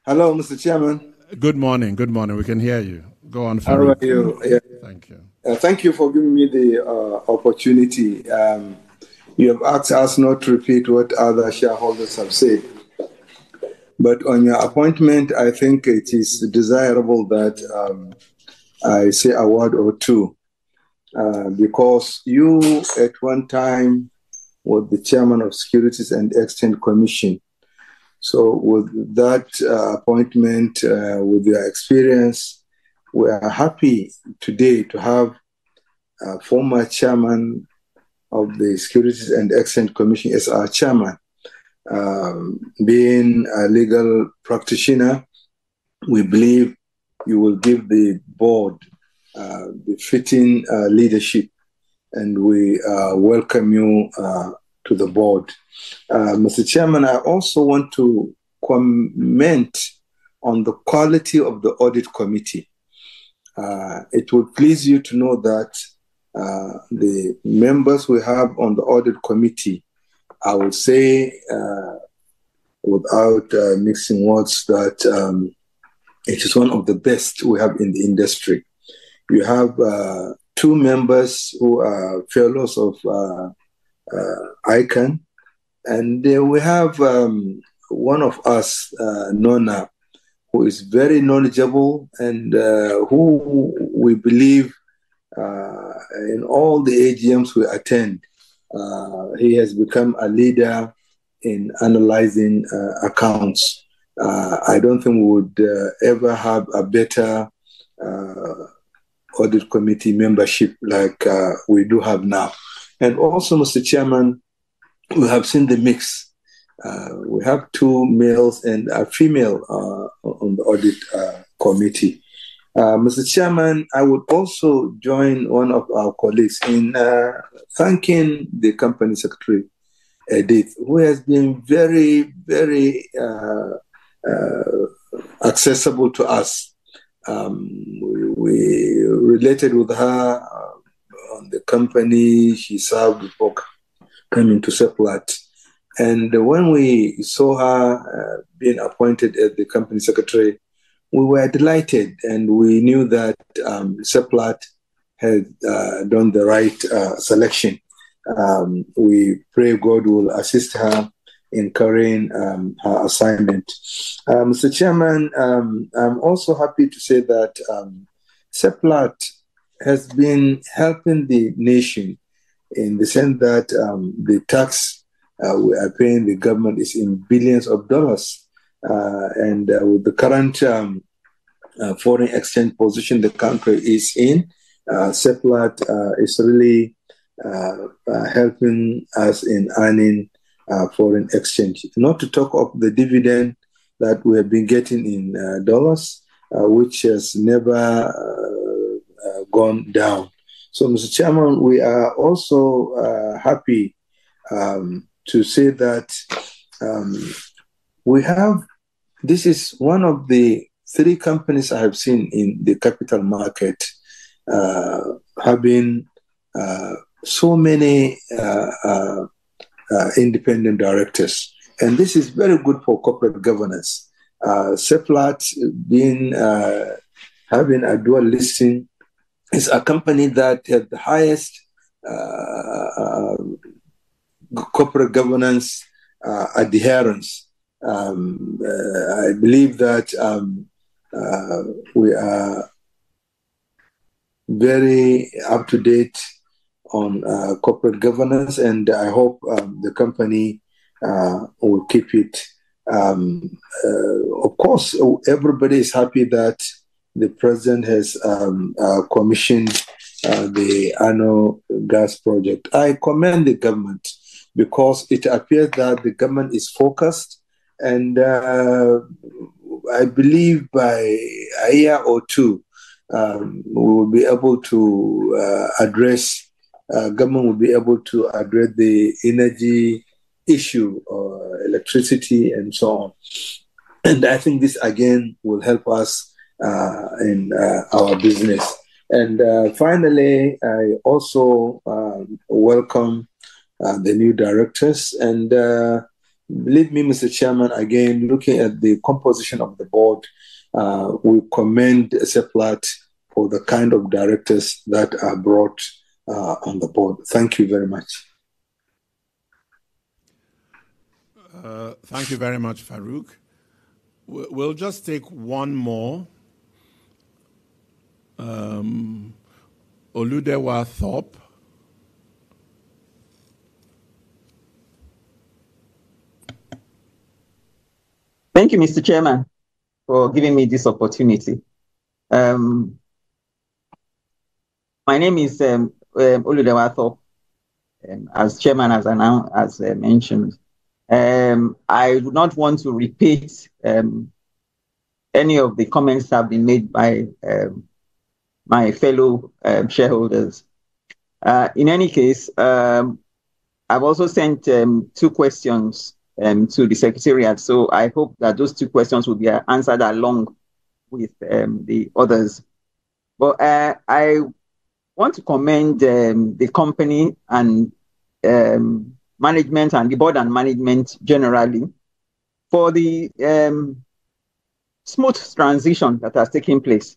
Hello, Mr. Chairman? Good morning. Good morning. We can hear you. Go on, Farooq. How are you? Thank you. Thank you for giving me the opportunity. You have asked us not to repeat what other shareholders have said, but on your appointment, I think it is desirable that I say a word or two. Because you, at one time, were the chairman of Securities and Exchange Commission. So with that appointment, with your experience, we are happy today to have a former chairman of the Securities and Exchange Commission as our chairman. Being a legal practitioner, we believe you will give the board the fitting leadership, and we welcome you to the board. Mr. Chairman, I also want to comment on the quality of the audit committee. It will please you to know that the members we have on the audit committee, I will say, without mixing words, that it is one of the best we have in the industry. We have two members who are fellows of ICAN, and then we have one of us, Nornah, who is very knowledgeable and who we believe, in all the AGMs we attend, he has become a leader in analyzing accounts. I don't think we would ever have a better audit committee membership like we do have now. And also, Mr. Chairman, we have seen the mix. We have two males and a female on the audit committee. Mr. Chairman, I would also join one of our colleagues in thanking the company secretary, Edith, who has been very, very accessible to us. We related with her on the company she served before coming to Seplat. And when we saw her being appointed as the company secretary, we were delighted, and we knew that Seplat had done the right selection. We pray God will assist her in carrying her assignment. Mr. Chairman, I'm also happy to say that Seplat has been helping the nation in the sense that the tax we are paying the government is in $ billions. And with the current foreign exchange position the country is in, Seplat is really helping us in earning foreign exchange. Not to talk of the dividend that we have been getting in dollars, which has never gone down. So, Mr. Chairman, we are also happy to say that we have... This is one of the three companies I have seen in the capital market, having so many independent directors, and this is very good for corporate governance. Seplat being having a dual listing, is a company that has the highest corporate governance adherence. I believe that we are very up-to-date on corporate governance, and I hope the company will keep it. Of course, everybody is happy that the president has commissioned the ANOH Gas Project. I commend the government because it appears that the government is focused, and I believe by a year or two, we will be able to address, government will be able to address the energy issue, electricity, and so on. And I think this again will help us in our business. And finally, I also welcome the new directors. And believe me, Mr. Chairman, again, looking at the composition of the board, we commend Seplat for the kind of directors that are brought on the board. Thank you very much. Thank you very much, Farooq. We, we'll just take one more. Oludewa Thorpe? ... Thank you, Mr. Chairman, for giving me this opportunity. My name is Oludewa Thorpe, as chairman, as I now, as I mentioned. I would not want to repeat any of the comments that have been made by my fellow shareholders. In any case, I've also sent two questions to the secretariat, so I hope that those two questions will be answered along with the others. But I want to commend the company and management and the board and management generally for the smooth transition that has taken place.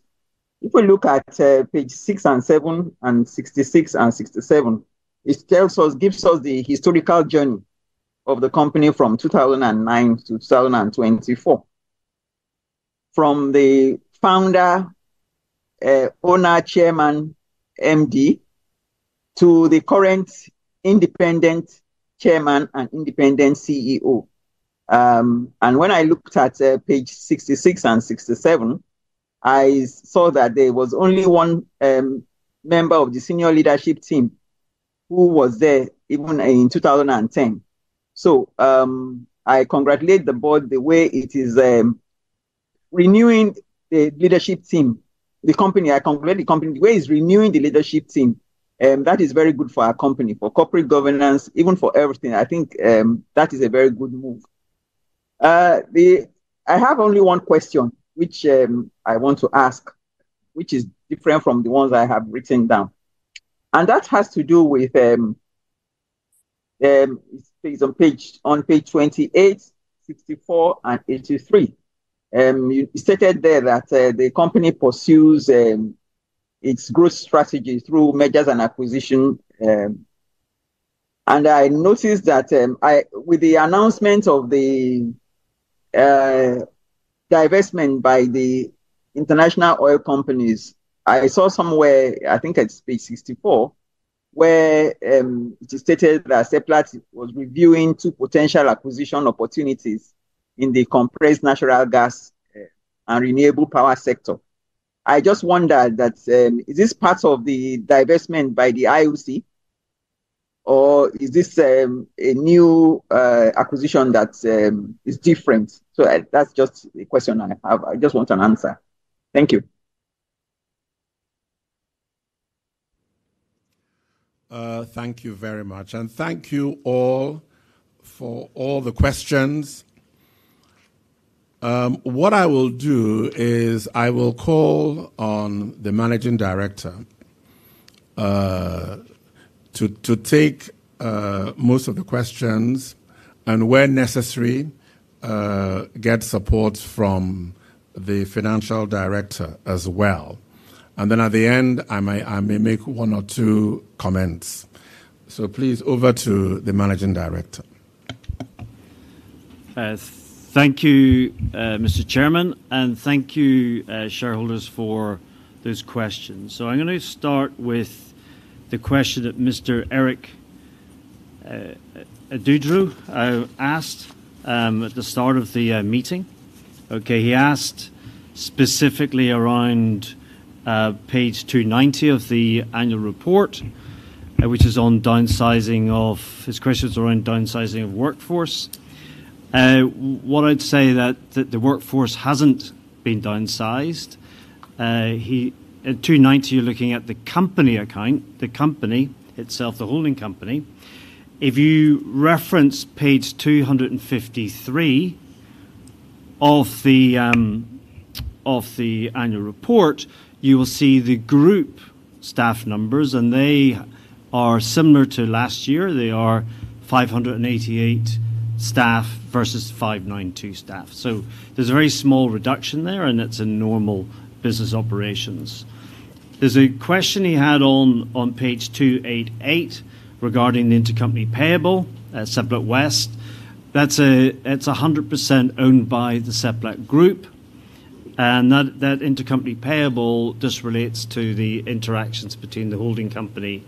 If we look at page 6 and 7, and 66 and 67, it tells us, gives us the historical journey of the company from 2009 to 2024. From the founder, owner, chairman, MD, to the current independent chairman and independent CEO. And when I looked at page 66 and 67, I saw that there was only one member of the senior leadership team who was there even in 2010. So, I congratulate the board the way it is renewing the leadership team. The company, I congratulate the company, the way it's renewing the leadership team, that is very good for our company, for corporate governance, even for everything. I think that is a very good move. The... I have only one question, which I want to ask, which is different from the ones I have written down, and that has to do with, it's on page, on page 28, 64, and 83. You stated there that the company pursues its growth strategy through mergers and acquisition, and I noticed that I—with the announcement of the divestment by the international oil companies, I saw somewhere, I think at page 64, where it stated that Seplat was reviewing two potential acquisition opportunities in the compressed natural gas and renewable power sector. I just wondered that, is this part of the divestment by the IOC, or is this a new acquisition that is different? So that's just a question I have. I just want an answer. Thank you. Thank you very much, and thank you all for all the questions. What I will do is I will call on the managing director to take most of the questions and when necessary get support from the financial director as well. And then at the end, I may make one or two comments. So please, over to the managing director. Thank you, Mr. Chairman, and thank you, shareholders, for those questions. So I'm gonna start with the question that Mr. Eric Akinduro asked at the start of the meeting. Okay, he asked specifically around page 290 of the annual report, which is on downsizing of... His question is around downsizing of workforce. What I'd say that, that the workforce hasn't been downsized. He, at 290, you're looking at the company account, the company itself, the holding company. If you reference page 253 of the annual report, you will see the group staff numbers, and they are similar to last year. They are 588 staff versus 592 staff. So there's a very small reduction there, and it's in normal business operations. There's a question he had on, on page 288 regarding the intercompany payable at Seplat West. That's a, it's 100% owned by the Seplat Group, and that, that intercompany payable just relates to the interactions between the holding company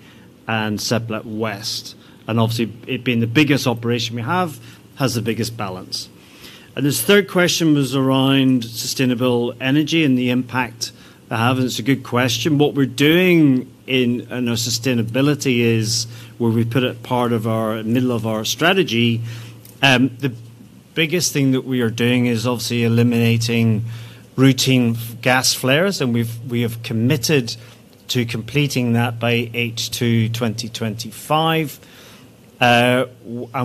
and Seplat West, and obviously, it being the biggest operation we have, has the biggest balance. And his third question was around sustainable energy and the impact they have, and it's a good question. What we're doing in, you know, sustainability is where we put it part of our middle of our strategy. The biggest thing that we are doing is obviously eliminating routine gas flares, and we've, we have committed to completing that by H2 2025. And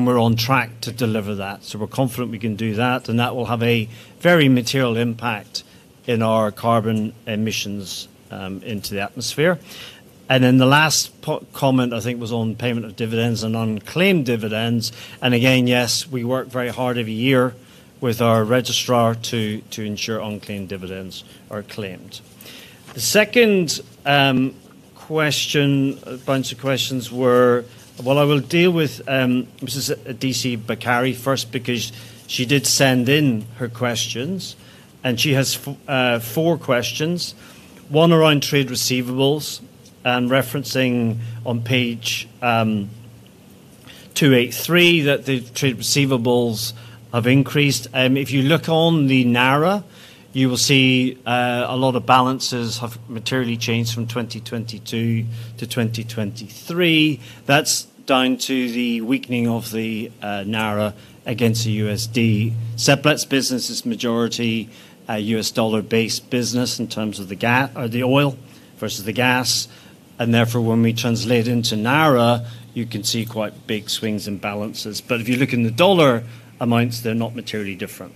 we're on track to deliver that. So we're confident we can do that, and that will have a very material impact in our carbon emissions into the atmosphere. And then the last comment, I think, was on payment of dividends and unclaimed dividends. And again, yes, we work very hard every year with our registrar to ensure unclaimed dividends are claimed. The second question, bunch of questions were. Well, I will deal with Mrs. Adebisi Bakare first because she did send in her questions, and she has four questions. One around trade receivables and referencing on page 283, that the trade receivables have increased. If you look on the naira, you will see a lot of balances have materially changed from 2022 to 2023. That's down to the weakening of the naira against the USD. Seplat's business is majority a US dollar-based business in terms of the gas, the oil versus the gas, and therefore, when we translate into naira, you can see quite big swings in balances. But if you look in the dollar amounts, they're not materially different.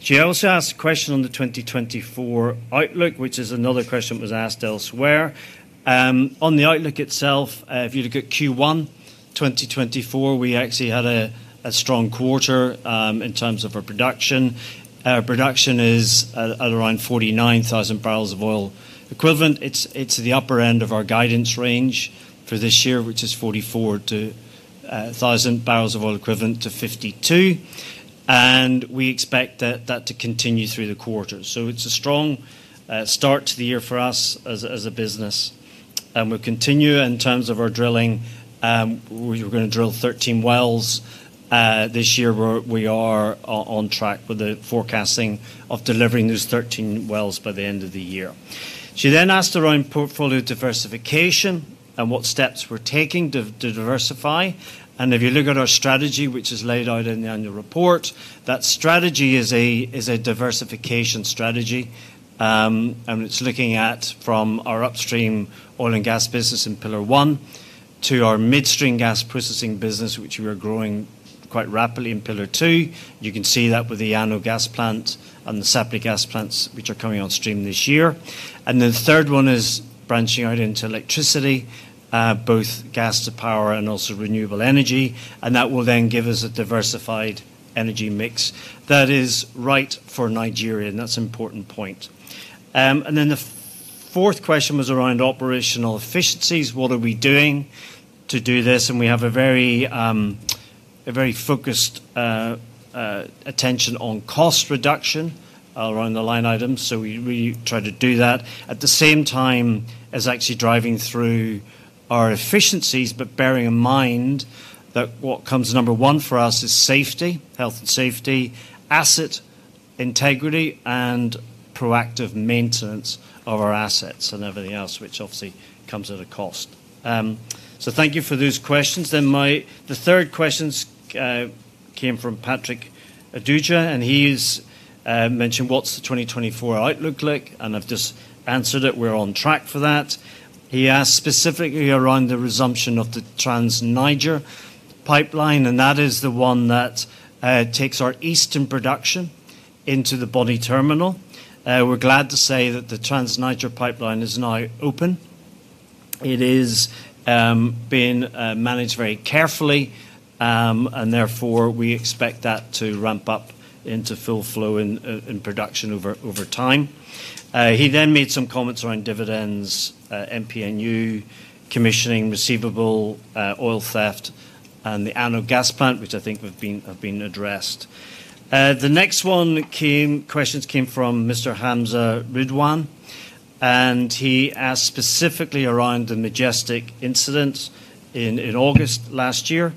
She also asked a question on the 2024 outlook, which is another question that was asked elsewhere. On the outlook itself, if you look at Q1 2024, we actually had a strong quarter in terms of our production. Our production is at around 49,000 barrels of oil equivalent. It's the upper end of our guidance range for this year, which is 44,000-52,000 barrels of oil equivalent, and we expect that to continue through the quarter. So it's a strong start to the year for us as a business, and we continue in terms of our drilling. We were gonna drill 13 wells this year. We are on track with the forecasting of delivering those 13 wells by the end of the year. She then asked around portfolio diversification and what steps we're taking to diversify, and if you look at our strategy, which is laid out in the annual report, that strategy is a diversification strategy. And it's looking at from our upstream oil and gas business in Pillar One to our midstream gas processing business, which we are growing quite rapidly in Pillar Two. You can see that with the ANOH gas plant and the Sapele gas plants, which are coming on stream this year. And the third one is branching out into electricity, both gas to power and also renewable energy, and that will then give us a diversified energy mix that is right for Nigeria, and that's an important point. And then the fourth question was around operational efficiencies. What are we doing to do this? And we have a very focused attention on cost reduction around the line items, so we try to do that. At the same time, as actually driving through our efficiencies, but bearing in mind that what comes number one for us is safety, health, and safety, asset integrity, and proactive maintenance of our assets and everything else, which obviously comes at a cost. So thank you for those questions. Then my... The third questions came from Patrick Ajudua, and he's mentioned: What's the 2024 outlook look like? And I've just answered it. We're on track for that. He asked specifically around the resumption of the Trans Niger Pipeline, and that is the one that takes our eastern production into the Bonny Terminal. We're glad to say that the Trans Niger Pipeline is now open. It is being managed very carefully, and therefore, we expect that to ramp up into full flow in production over time. He then made some comments around dividends, MPNU, commissioning, receivable, oil theft, and the ANOH gas plant, which I think have been addressed. The next one came, questions came from Mr. Hamza Rilwan, and he asked specifically around the Majestic incident in August last year,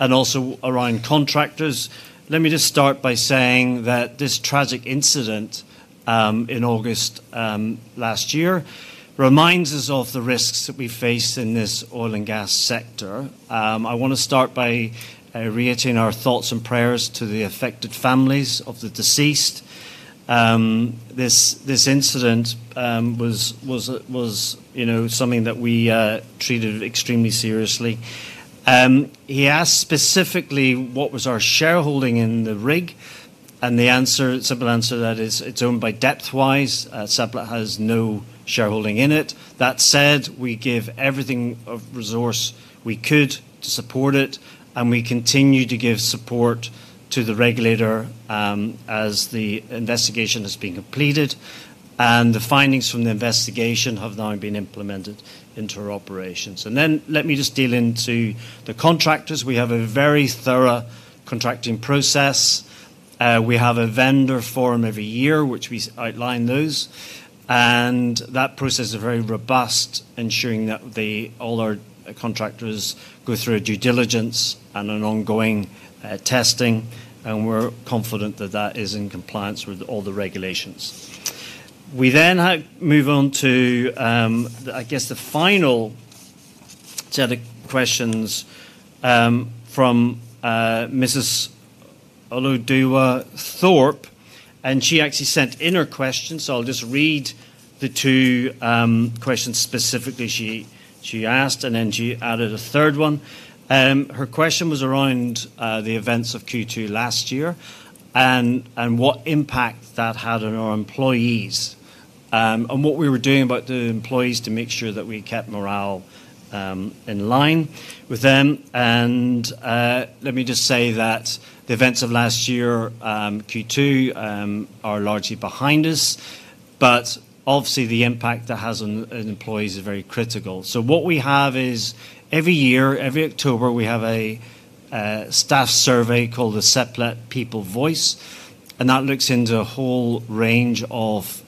and also around contractors. Let me just start by saying that this tragic incident in August last year reminds us of the risks that we face in this oil and gas sector. I wanna start by reiterating our thoughts and prayers to the affected families of the deceased. This incident was you know something that we treated extremely seriously. He asked specifically what was our shareholding in the rig, and the answer, simple answer to that is it's owned by Depthwize. Seplat has no shareholding in it. That said, we gave everything of resource we could to support it, and we continue to give support to the regulator, as the investigation is being completed, and the findings from the investigation have now been implemented into our operations. Then, let me just deal into the contractors. We have a very thorough contracting process. We have a vendor forum every year, which we outline those, and that process is very robust, ensuring that all our contractors go through a due diligence and an ongoing testing, and we're confident that that is in compliance with all the regulations. We then move on to, I guess the final set of questions, from Mrs. Oludewa Thorpe, and she actually sent in her question, so I'll just read the two questions specifically she asked, and then she added a third one. Her question was around the events of Q2 last year and what impact that had on our employees, and what we were doing about the employees to make sure that we kept morale in line with them. Let me just say that the events of last year, Q2, are largely behind us, but obviously, the impact that has on employees is very critical. So what we have is, every year, every October, we have a staff survey called the Seplat People's Voice, and that looks into a whole range of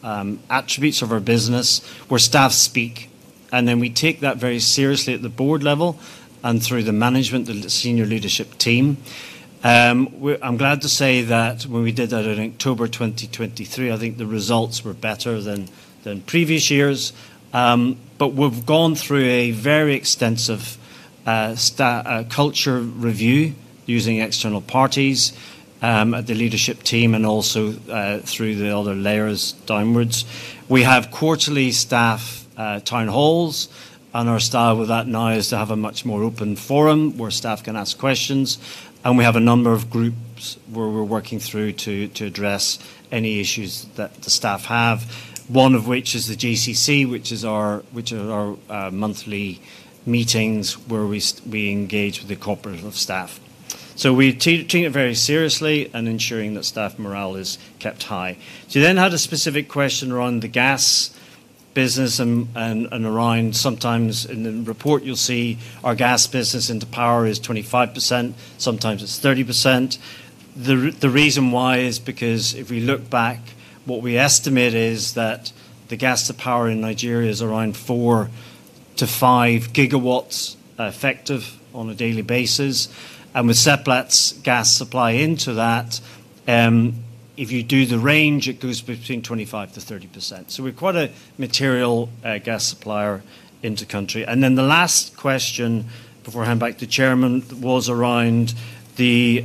attributes of our business, where staff speak, and then we take that very seriously at the board level and through the management and the senior leadership team. I'm glad to say that when we did that in October 2023, I think the results were better than previous years. But we've gone through a very extensive culture review using external parties at the leadership team and also through the other layers downwards. We have quarterly staff town halls, and our style with that now is to have a much more open forum, where staff can ask questions. And we have a number of groups where we're working through to address any issues that the staff have. One of which is the JCC, which are our monthly meetings, where we engage with the cooperative staff. So we take it very seriously in ensuring that staff morale is kept high. So you then had a specific question around the gas business and around sometimes. In the report, you'll see our gas business into power is 25%, sometimes it's 30%. The reason why is because if we look back, what we estimate is that the gas to power in Nigeria is around 4-5 gigawatts, effective on a daily basis. And with Seplat's gas supply into that, if you do the range, it goes between 25%-30%. So we're quite a material, gas supplier in the country. And then the last question, before I hand back to chairman, was around the,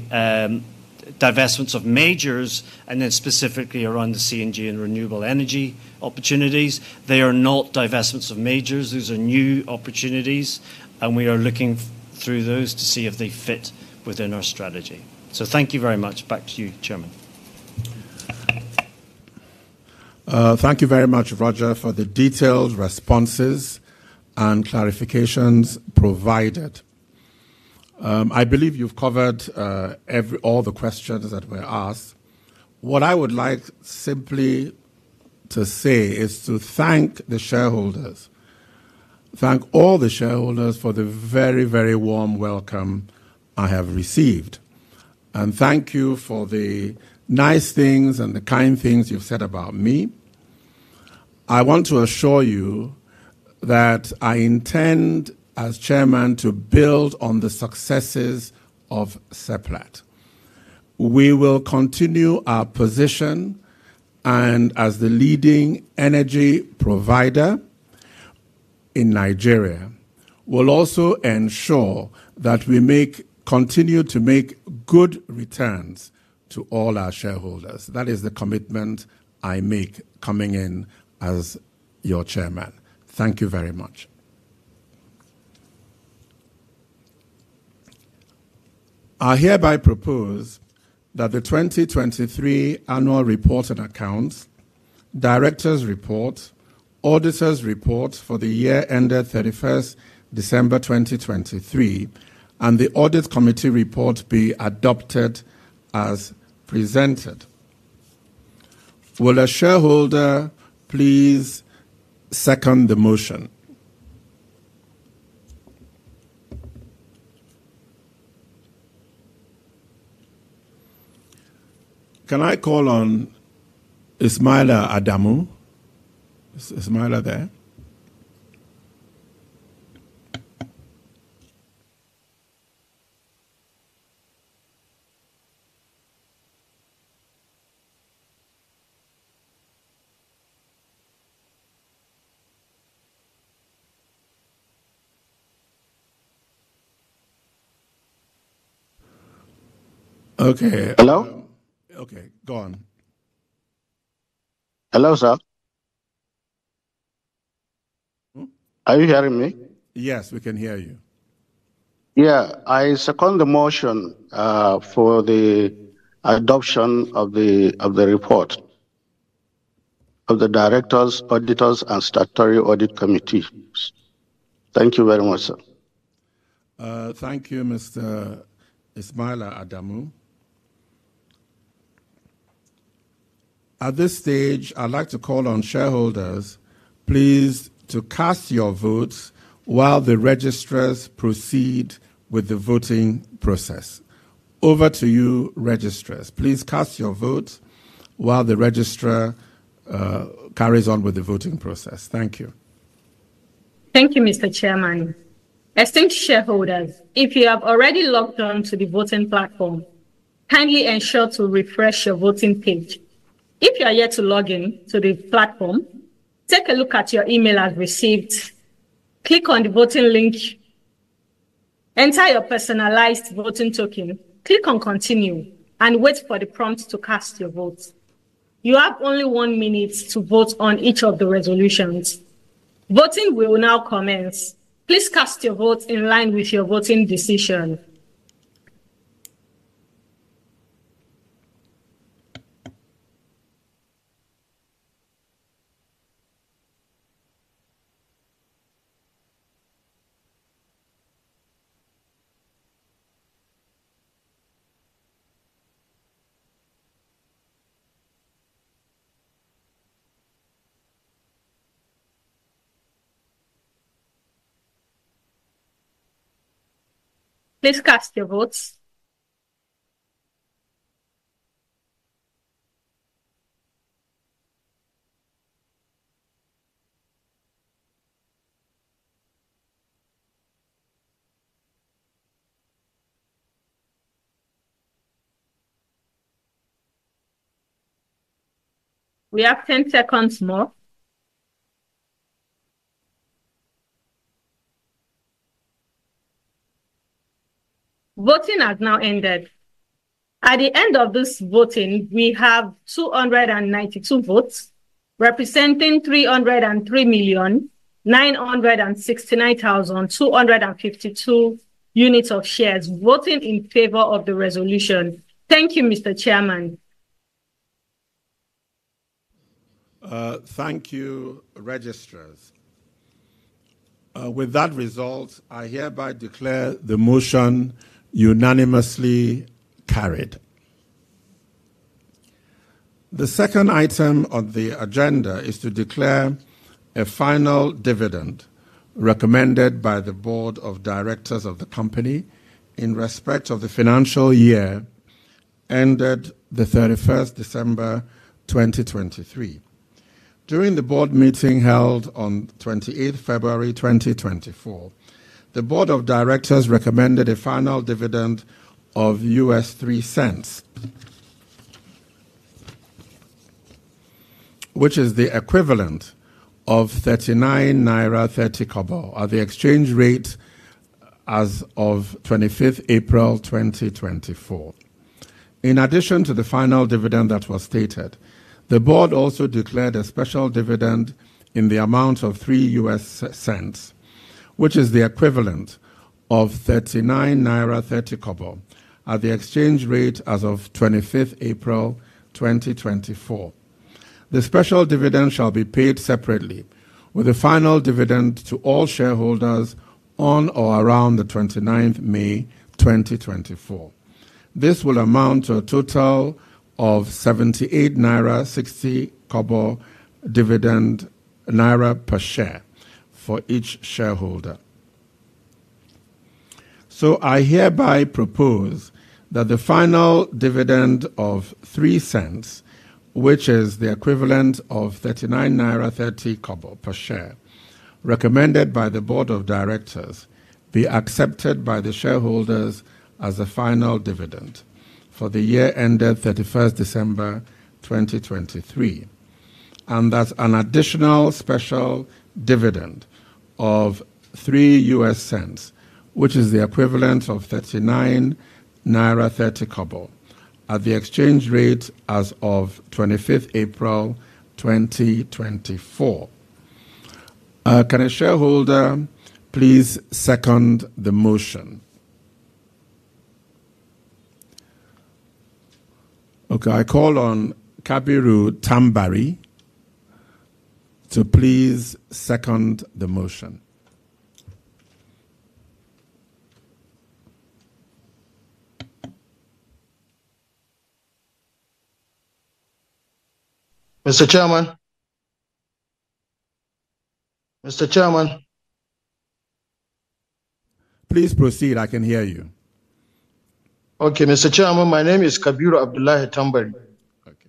divestments of majors, and then specifically around the CNG and renewable energy opportunities. They are not divestments of majors. These are new opportunities, and we are looking through those to see if they fit within our strategy. Thank you very much. Back to you, Chairman. Thank you very much, Roger, for the detailed responses and clarifications provided. I believe you've covered every, all the questions that were asked. What I would like simply to say is to thank the shareholders. Thank all the shareholders for the very, very warm welcome I have received, and thank you for the nice things and the kind things you've said about me. I want to assure you that I intend, as chairman, to build on the successes of Seplat. We will continue our position, and as the leading energy provider in Nigeria, we'll also ensure that we make continue to make good returns to all our shareholders. That is the commitment I make coming in as your chairman. Thank you very much. I hereby propose that the 2023 annual report and accounts, directors' report, auditors' report for the year ended 31st December 2023, and the audit committee report be adopted as presented. Will a shareholder please second the motion? Can I call on Ismaila Adamu? Is Ismaila there? Okay, Hello? Okay, go on. Hello, sir. Mm. Are you hearing me? Yes, we can hear you. Yeah, I second the motion for the adoption of the report of the directors, auditors, and statutory audit committees. Thank you very much, sir. Thank you, Mr. Ismaila Adamu. At this stage, I'd like to call on shareholders please to cast your votes while the registrars proceed with the voting process. Over to you, registrars. Please cast your vote while the registrar carries on with the voting process. Thank you. Thank you, Mr. Chairman. Esteemed shareholders, if you have already logged on to the voting platform, kindly ensure to refresh your voting page. If you are yet to log in to the platform, take a look at your email as received, click on the voting link, enter your personalized voting token, click on Continue, and wait for the prompt to cast your vote. You have only one minute to vote on each of the resolutions. Voting will now commence. Please cast your vote in line with your voting decision. Please cast your votes. We have 10 seconds more. Voting has now ended. At the end of this voting, we have 292 votes, representing 303,969,252 units of shares voting in favor of the resolution. Thank you, Mr. Chairman. Thank you, registrars. With that result, I hereby declare the motion unanimously carried. The second item on the agenda is to declare a final dividend recommended by the Board of Directors of the company in respect of the financial year ended 31 December 2023. During the board meeting held on 28th February 2024, the Board of Directors recommended a final dividend of $0.03, which is the equivalent of 39.30 naira, at the exchange rate as of 25th April 2024. In addition to the final dividend that was stated, the board also declared a special dividend in the amount of $0.03, which is the equivalent of 39.30 naira, at the exchange rate as of 25th April 2024. The special dividend shall be paid separately, with a final dividend to all shareholders on or around the 29th May 2024. This will amount to a total of 78.60 naira dividend per share for each shareholder. So I hereby propose that the final dividend of $0.03, which is the equivalent of 39.30 naira per share, recommended by the board of directors, be accepted by the shareholders as a final dividend for the year ended 31st December 2023. And that an additional special dividend of $0.03, which is the equivalent of NGN 39.30, at the exchange rate as of 25th April 2024. Can a shareholder please second the motion? Okay, I call on Kabiru Tambari to please second the motion. Mr. Chairman? Mr. Chairman. Please proceed. I can hear you. Okay, Mr. Chairman, my name is Kabiru Abdullahi Tambari. Okay.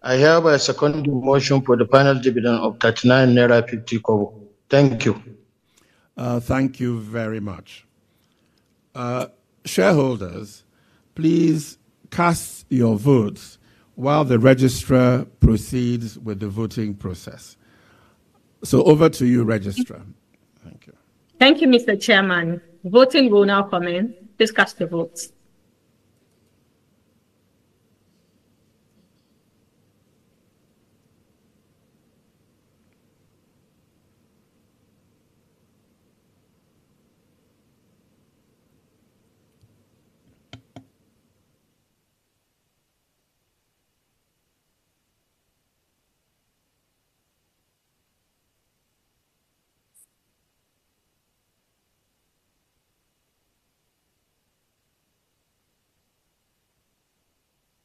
I hereby second the motion for the final dividend of NGN 39.50. Thank you. Thank you very much. Shareholders, please cast your votes while the registrar proceeds with the voting process. Over to you, registrar. Thank you. Thank you, Mr. Chairman. Voting will now come in. Please cast your votes.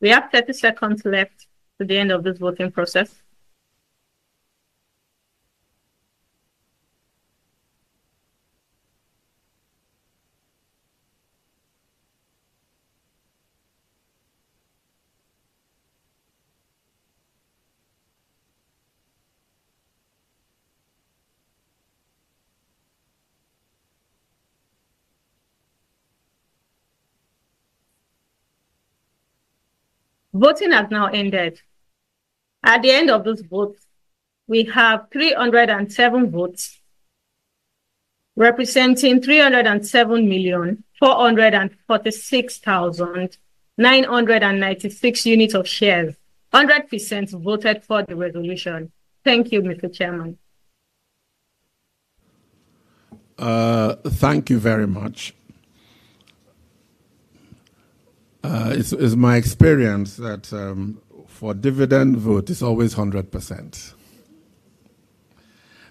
We have 30 seconds left to the end of this voting process. Voting has now ended. At the end of this vote, we have 307 votes, representing 307 million, 446 thousand, 996 units of shares. 100% voted for the resolution. Thank you, Mr. Chairman. Thank you very much. It's my experience that for dividend vote, it's always 100%.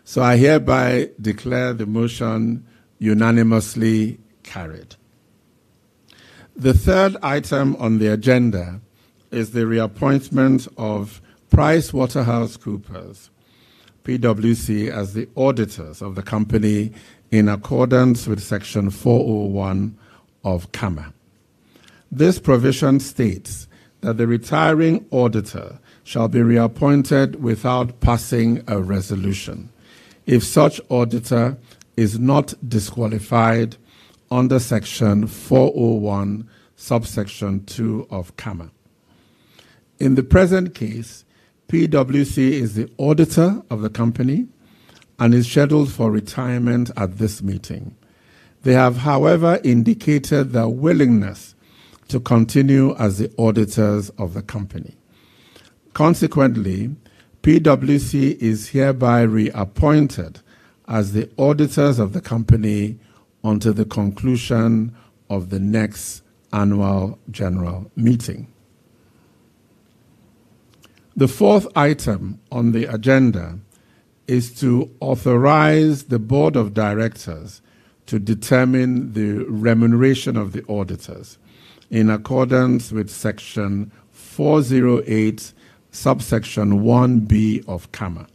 So I hereby declare the motion unanimously carried. The third item on the agenda is the reappointment of PricewaterhouseCoopers, PwC, as the auditors of the company, in accordance with Section 401 of CAMA. This provision states that the retiring auditor shall be reappointed without passing a resolution, if such auditor is not disqualified under Section 401, Subsection 2 of CAMA. In the present case, PwC is the auditor of the company and is scheduled for retirement at this meeting. They have, however, indicated their willingness to continue as the auditors of the company. Consequently, PwC is hereby reappointed as the auditors of the company until the conclusion of the next annual general meeting. The fourth item on the agenda is to authorize the board of directors to determine the remuneration of the auditors, in accordance with Section 408, Subsection 1B of CAMA.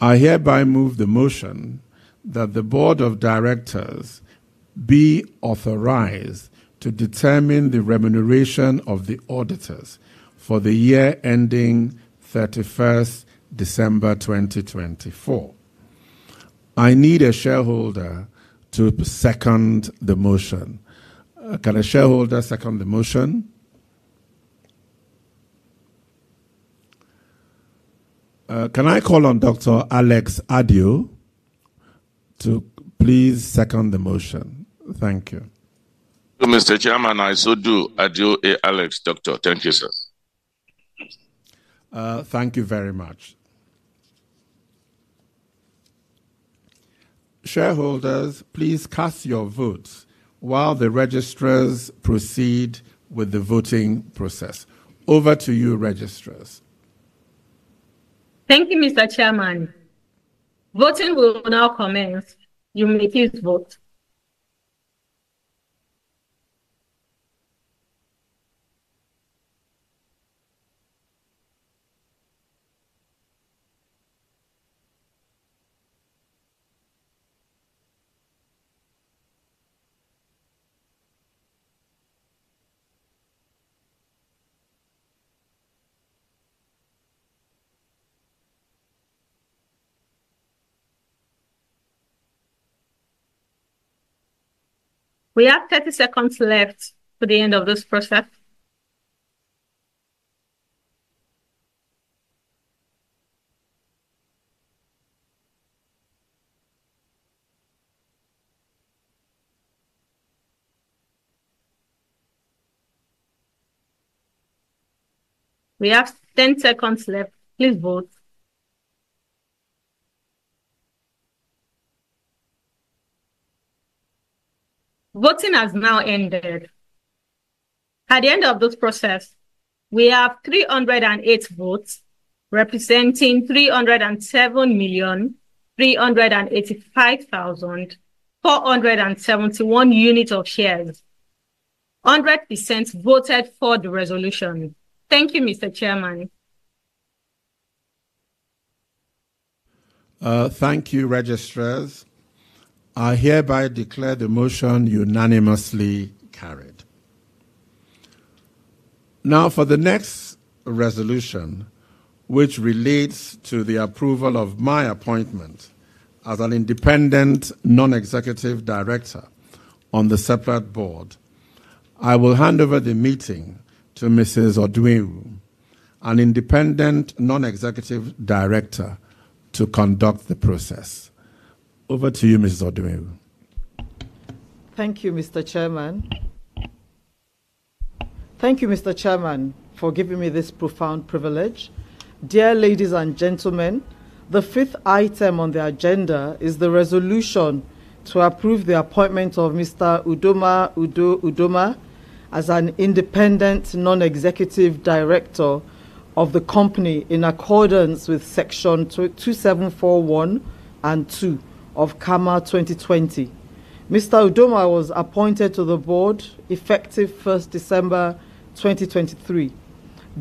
I hereby move the motion that the board of directors be authorized to determine the remuneration of the auditors for the year ending thirty-first December 2024. I need a shareholder to second the motion. Can a shareholder second the motion? Can I call on Dr. Alex Adio to please second the motion? Thank you. Mr. Chairman, I so do. Alex Adio, Doctor. Thank you, sir. Thank you very much. Shareholders, please cast your votes while the registrars proceed with the voting process. Over to you, registrars. Thank you, Mr. Chairman. Voting will now commence. You may please vote. We have 30 seconds left to the end of this process. We have 10 seconds left. Please vote. Voting has now ended. At the end of this process, we have 308 votes, representing 307,385,471 units of shares. 100% voted for the resolution. Thank you, Mr. Chairman. Thank you, registrars. I hereby declare the motion unanimously carried. Now, for the next resolution, which relates to the approval of my appointment as an independent non-executive director on the separate board, I will hand over the meeting to Mrs. Odunewu, an independent non-executive director, to conduct the process. Over to you, Mrs. Odunewu. Thank you, Mr. Chairman. Thank you, Mr. Chairman, for giving me this profound privilege. Dear ladies and gentlemen, the fifth item on the agenda is the resolution to approve the appointment of Mr. Udoma Udo Udoma as an independent non-executive director of the company, in accordance with Section 257(1) and (2) of CAMA 2020. Mr. Udoma was appointed to the board effective 1 December 2023.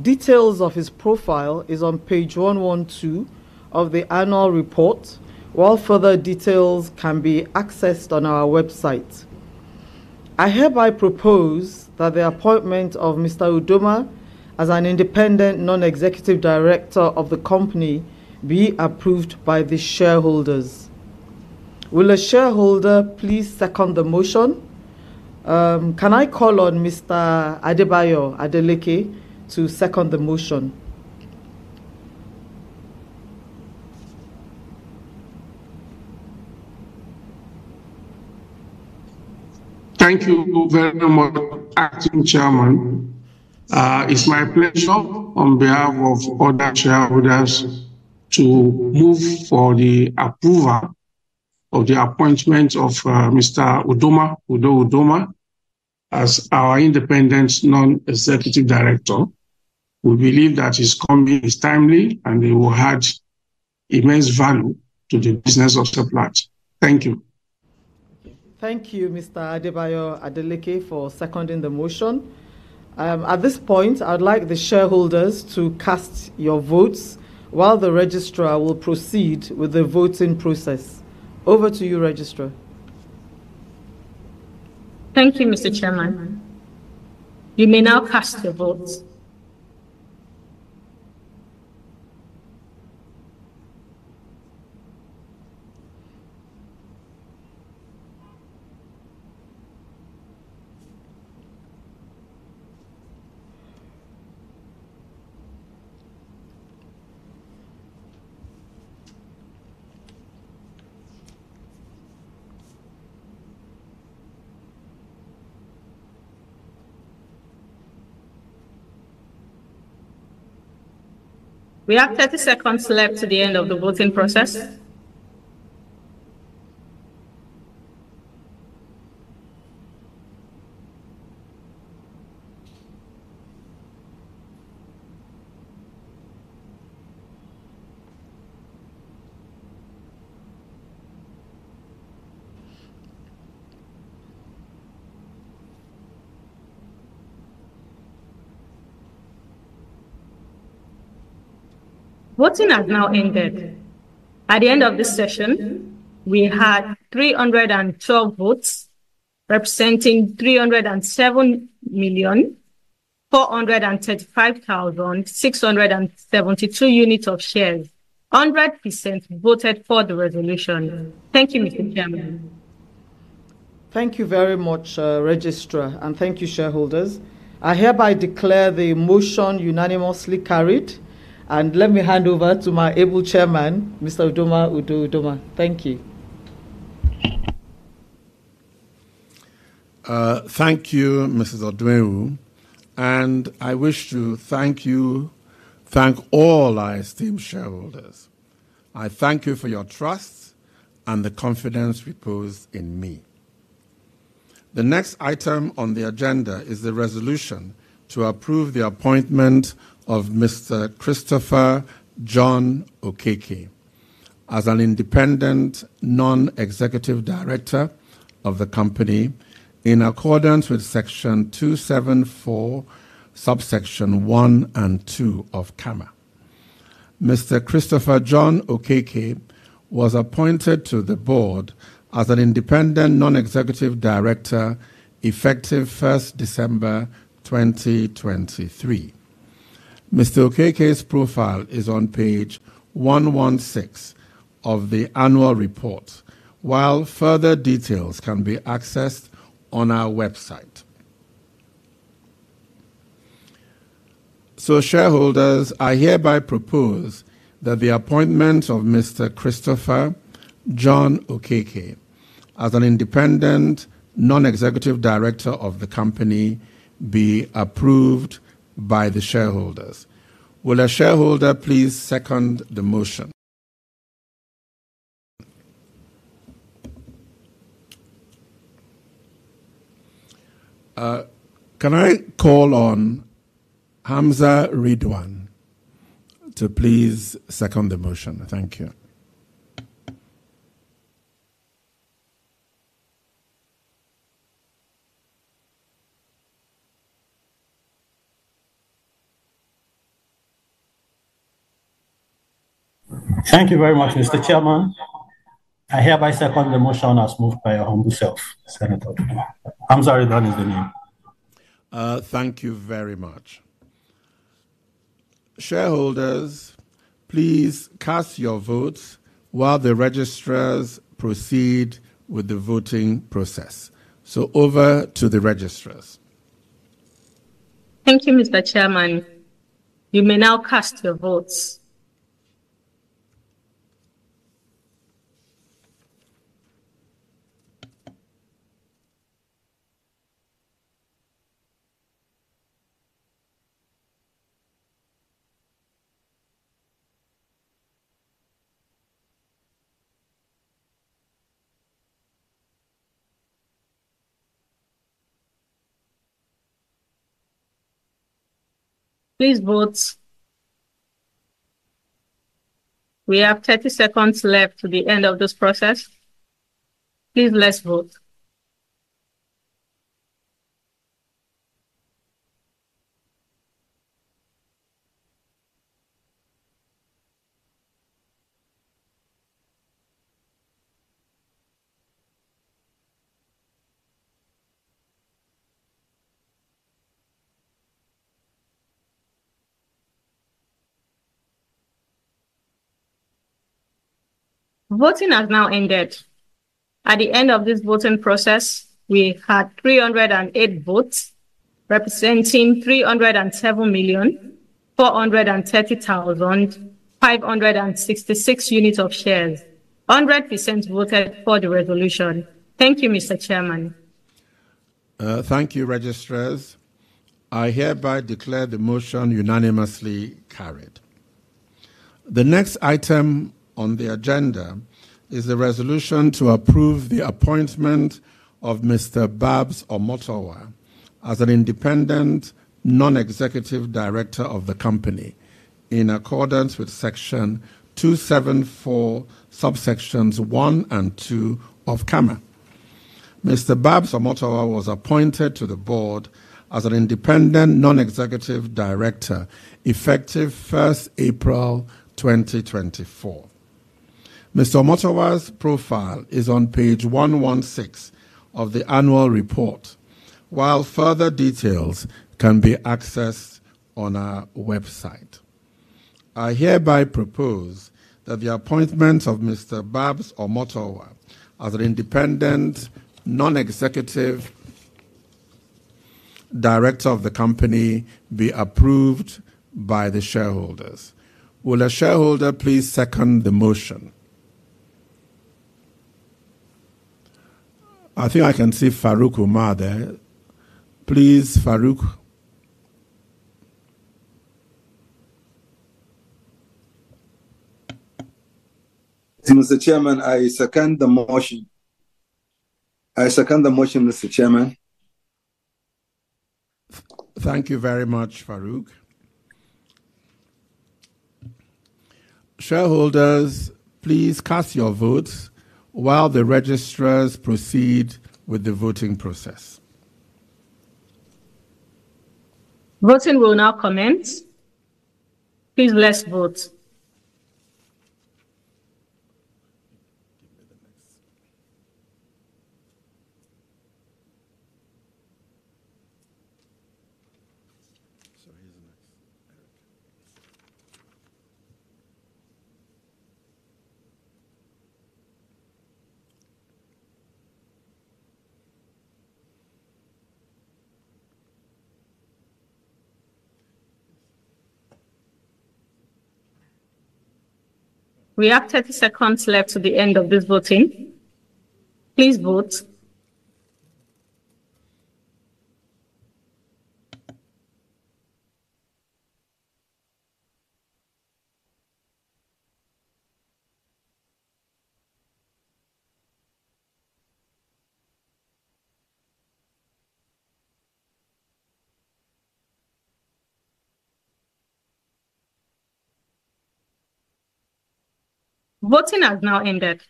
Details of his profile is on page 112 of the annual report, while further details can be accessed on our website. I hereby propose that the appointment of Mr. Udoma as an independent non-executive director of the company be approved by the shareholders. Will a shareholder please second the motion? Can I call on Mr. Adebayo Adeleke to second the motion? Thank you very much, Acting Chairman. It's my pleasure, on behalf of other shareholders, to move for the approval of the appointment of, Mr. Udoma Udo Udoma as our independent non-executive director, we believe that his coming is timely, and he will add immense value to the business of Seplat. Thank you. Thank you, Mr. Adebayo Adeleke, for seconding the motion. At this point, I'd like the shareholders to cast your votes while the registrar will proceed with the voting process. Over to you, Registrar. Thank you, Mr. Chairman. You may now cast your votes. We have 30 seconds left to the end of the voting process. Voting has now ended. At the end of this session, we had 312 votes, representing 307,435,672 units of shares. 100% voted for the resolution. Thank you, Mr. Chairman. Thank you very much, Registrar, and thank you, shareholders. I hereby declare the motion unanimously carried, and let me hand over to my able Chairman, Mr. Udoma Udo Udoma. Thank you. Thank you, Mrs. Odunewu. I wish to thank you, thank all our esteemed shareholders. I thank you for your trust and the confidence reposed in me. The next item on the agenda is the resolution to approve the appointment of Mr. Christopher John Okeke as an independent, non-executive director of the company, in accordance with Section 274, subsections 1 and 2 of CAMA. Mr. Christopher John Okeke was appointed to the board as an independent, non-executive director, effective first December 2023. Mr. Okeke's profile is on page 116 of the annual report, while further details can be accessed on our website. So, shareholders, I hereby propose that the appointment of Mr. Christopher John Okeke as an independent, non-executive director of the company be approved by the shareholders. Will a shareholder please second the motion? Can I call on Hamza Rilwan to please second the motion? Thank you. Thank you very much, Mr. Chairman. I hereby second the motion as moved by your humble self, Senator Udoma. Hamza Rilwan is the name. Thank you very much. Shareholders, please cast your votes while the registrars proceed with the voting process. Over to the registrars. Thank you, Mr. Chairman. You may now cast your votes. Please vote. We have 30 seconds left to the end of this process. Please, let's vote. Voting has now ended. At the end of this voting process, we had 308 votes, representing 307,430,566 units of shares. 100% voted for the resolution. Thank you, Mr. Chairman. Thank you, Registrars. I hereby declare the motion unanimously carried. The next item on the agenda is the resolution to approve the appointment of Mr. Babs Omotowa as an independent non-executive director of the company, in accordance with Section 274, subsections one and two of CAMA. Mr. Babs Omotowa was appointed to the board as an independent non-executive director, effective April 1, 2024. Mr. Omotowa's profile is on page 116 of the annual report, while further details can be accessed on our website. I hereby propose that the appointment of Mr. Babs Omotowa as an independent non-executive director of the company be approved by the shareholders. Will a shareholder please second the motion? I think I can see Farooq Umar there. Please, Farooq. Mr. Chairman, I second the motion. I second the motion, Mr. Chairman. Thank you very much, Farooq. Shareholders, please cast your votes while the registrars proceed with the voting process. Voting will now commence. Please let's vote. Give me the next. So here's the next, Eric. We have 30 seconds left to the end of this voting. Please vote. Voting has now ended.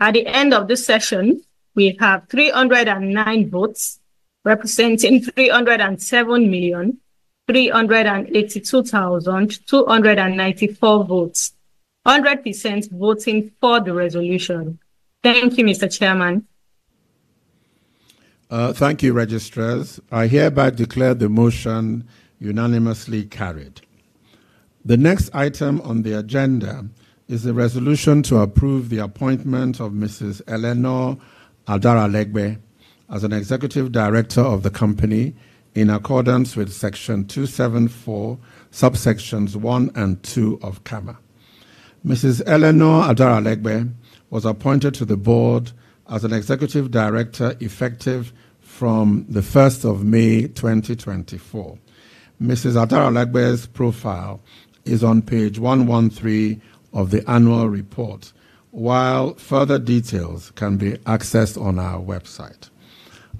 At the end of this session, we have 309 votes, representing 307,382,294 votes. 100% voting for the resolution. Thank you, Mr. Chairman. Thank you, registrars. I hereby declare the motion unanimously carried. The next item on the agenda is a resolution to approve the appointment of Mrs. Eleanor Adaralegbe as an executive director of the company, in accordance with Section 274, subsections 1 and 2 of CAMA. Mrs. Eleanor Adaralegbe was appointed to the board as an executive director, effective from the first of May, 2024. Mrs. Adaralegbe's profile is on page 113 of the annual report, while further details can be accessed on our website.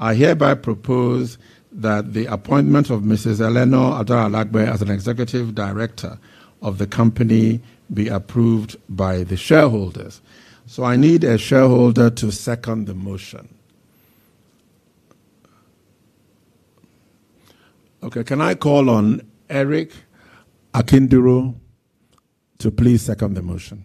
I hereby propose that the appointment of Mrs. Eleanor Adaralegbe as an executive director of the company be approved by the shareholders. So I need a shareholder to second the motion. Okay, can I call on Eric Akinduro to please second the motion?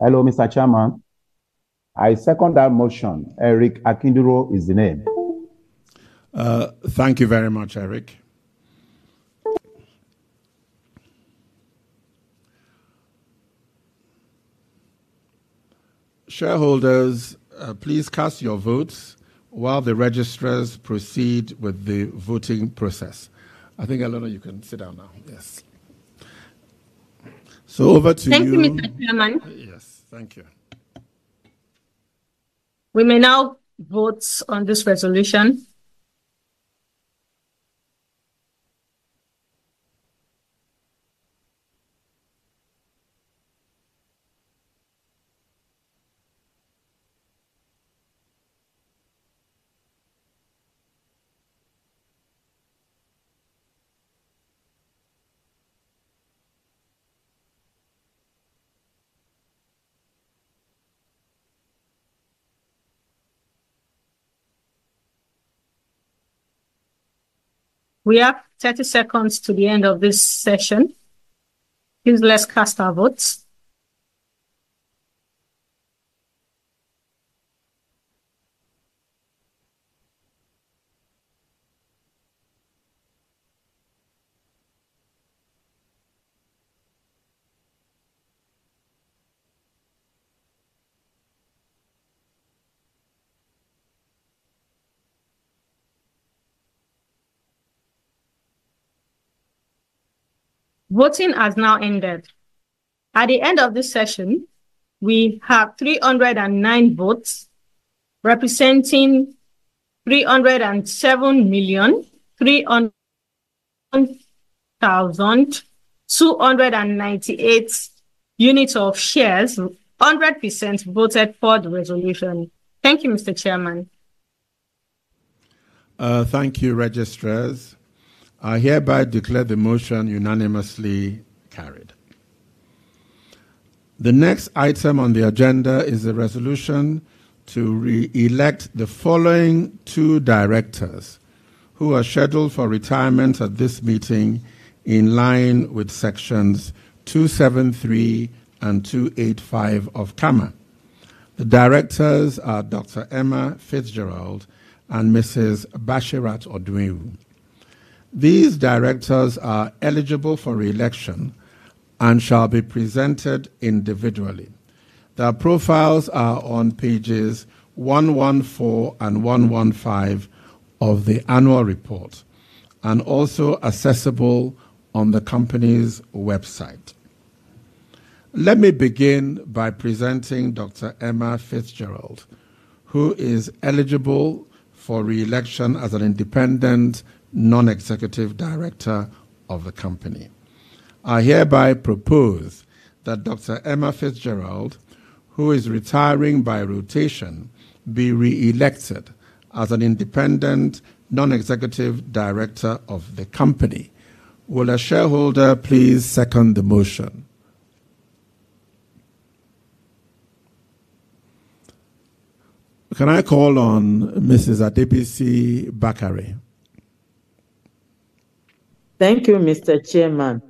Hello, Mr. Chairman. I second that motion. Eric Akinduro is the name. Thank you very much, Eric. Shareholders, please cast your votes while the registrars proceed with the voting process. I think, Eleanor, you can sit down now. Yes. So over to you. Thank you, Mr. Chairman. Yes, thank you. We may now vote on this resolution. We have 30 seconds to the end of this session. Please let's cast our votes. Voting has now ended. At the end of this session, we have 309 votes, representing 307,300,298 units of shares. 100% voted for the resolution. Thank you, Mr. Chairman. Thank you, registrars. I hereby declare the motion unanimously carried. The next item on the agenda is a resolution to re-elect the following two directors who are scheduled for retirement at this meeting, in line with sections 273 and 285 of CAMA. The directors are Dr. Emma Fitzgerald and Mrs. Bashirat Odunewu. These directors are eligible for re-election and shall be presented individually. Their profiles are on pages 114 and 115 of the annual report, and also accessible on the company's website. Let me begin by presenting Dr. Emma Fitzgerald, who is eligible for re-election as an independent non-executive director of the company. I hereby propose that Dr. Emma Fitzgerald, who is retiring by rotation, be re-elected as an independent non-executive director of the company. Will a shareholder please second the motion? Can I call on Mrs. Adebisi Bakare? Thank you, Mr. Chairman.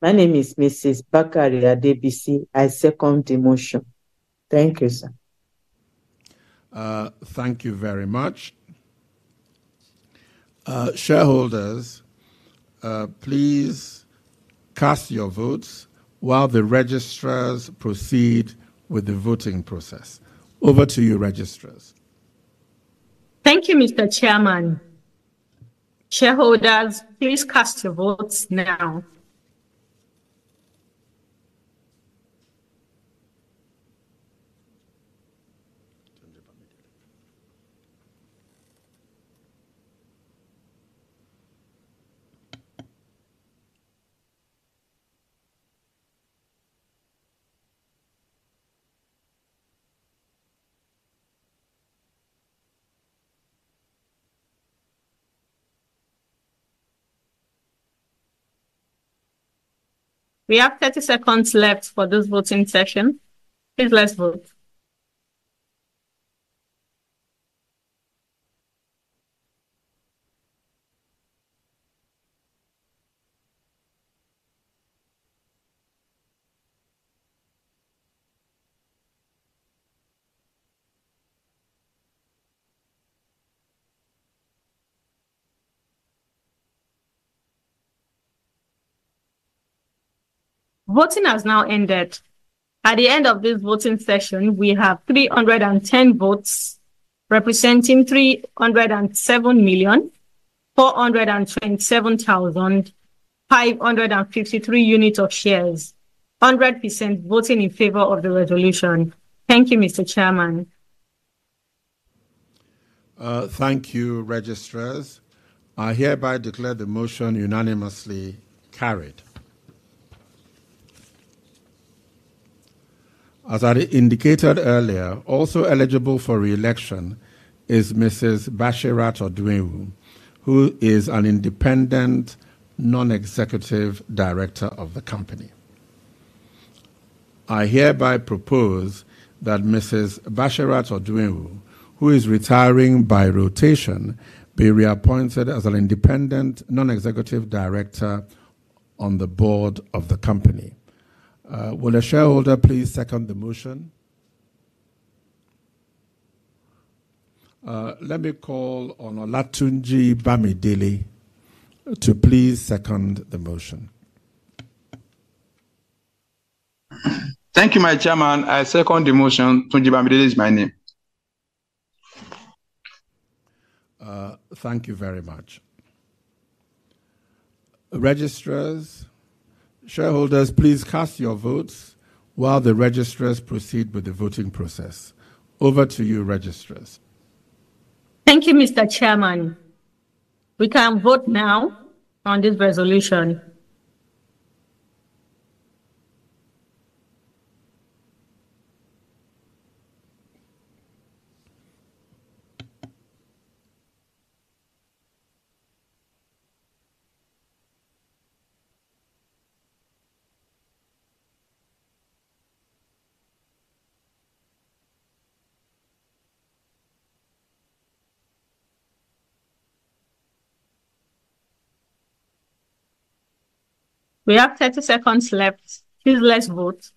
My name is Mrs. Bakare Adebisi. I second the motion. Thank you, sir. Thank you very much. Shareholders, please cast your votes while the registrars proceed with the voting process. Over to you, registrars. Thank you, Mr. Chairman. Shareholders, please cast your votes now. We have 30 seconds left for this voting session. Please, let's vote. Voting has now ended. At the end of this voting session, we have 310 votes, representing 307,427,553 units of shares. 100% voting in favor of the resolution. Thank you, Mr. Chairman. Thank you, registrars. I hereby declare the motion unanimously carried. As I indicated earlier, also eligible for re-election is Mrs. Bashirat Odunewu, who is an independent non-executive director of the company. I hereby propose that Mrs. Bashirat Odunewu, who is retiring by rotation, be reappointed as an independent non-executive director on the board of the company. Will a shareholder please second the motion? Let me call on Olatunji Bamidele to please second the motion. Thank you, my Chairman. I second the motion. Tunji Bamidele is my name. Thank you very much. Registrars, shareholders, please cast your votes while the registrars proceed with the voting process. Over to you, registrars. Thank you, Mr. Chairman. We can vote now on this resolution. We have 30 seconds left. Please, let's vote....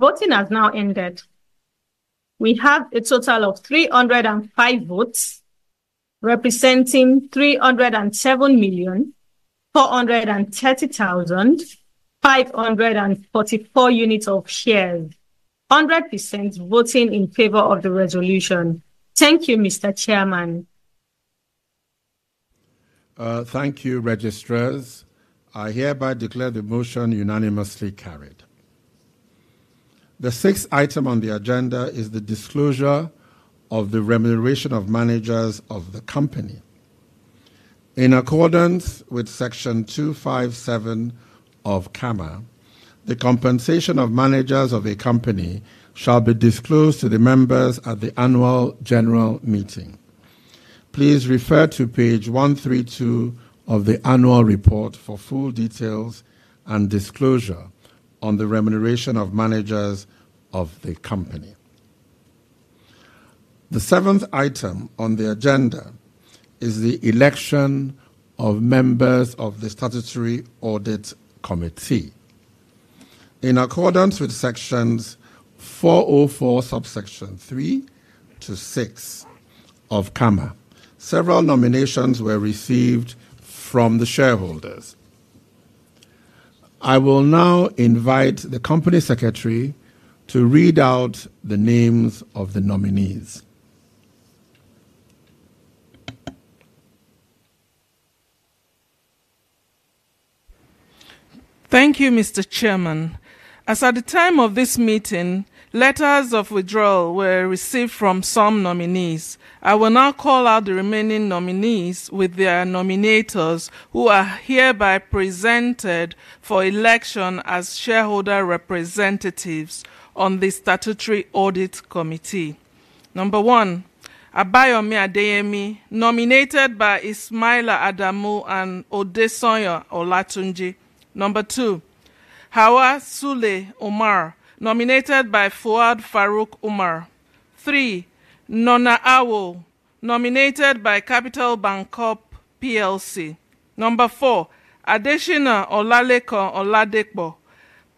Voting has now ended. We have a total of 305 votes, representing 307,430,544 units of shares. 100% voting in favor of the resolution. Thank you, Mr. Chairman. Thank you, registrars. I hereby declare the motion unanimously carried. The sixth item on the agenda is the disclosure of the remuneration of managers of the company. In accordance with Section 257 of CAMA, the compensation of managers of a company shall be disclosed to the members at the annual general meeting. Please refer to page 132 of the annual report for full details and disclosure on the remuneration of managers of the company. The seventh item on the agenda is the election of members of the Statutory Audit Committee. In accordance with Sections 404, subsection 3 to 6 of CAMA, several nominations were received from the shareholders. I will now invite the company secretary to read out the names of the nominees. Thank you, Mr. Chairman. As at the time of this meeting, letters of withdrawal were received from some nominees. I will now call out the remaining nominees with their nominators, who are hereby presented for election as shareholder representatives on the Statutory Audit Committee. Number 1, Abayomi Adeyemi, nominated by Ismaila Adamu and Odesanya Olatunji. Number 2, Hauwa Sule Umar, nominated by Fuad Farooq Umar. 3, Nornah Awoh, nominated by Capital Bancorp PLC. Number 4, Adesina Olalekan Oladepo,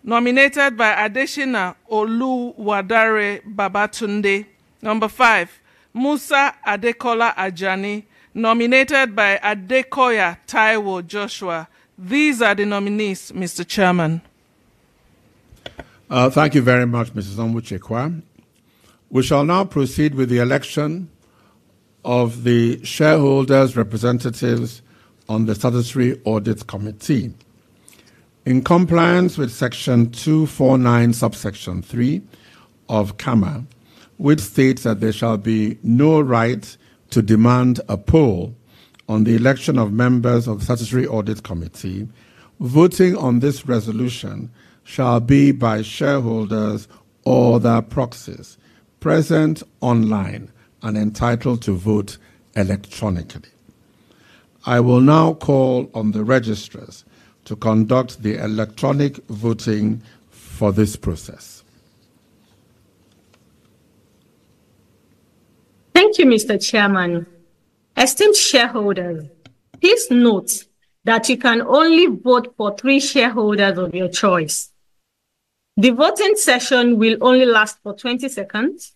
nominated by Adesina Oluwadare Babatunde. Number 5, Musa Adekola Ajani, nominated by Adekoya Taiwo Joshua. These are the nominees, Mr. Chairman. Thank you very much, Mrs. Onwuchekwa. We shall now proceed with the election of the shareholders' representatives on the Statutory Audit Committee. In compliance with Section 249, subsection 3 of CAMA, which states that there shall be no right to demand a poll on the election of members of Statutory Audit Committee, voting on this resolution shall be by shareholders or their proxies, present online and entitled to vote electronically. I will now call on the registrars to conduct the electronic voting for this process. Thank you, Mr. Chairman. Esteemed shareholders, please note that you can only vote for 3 shareholders of your choice. The voting session will only last for 20 seconds.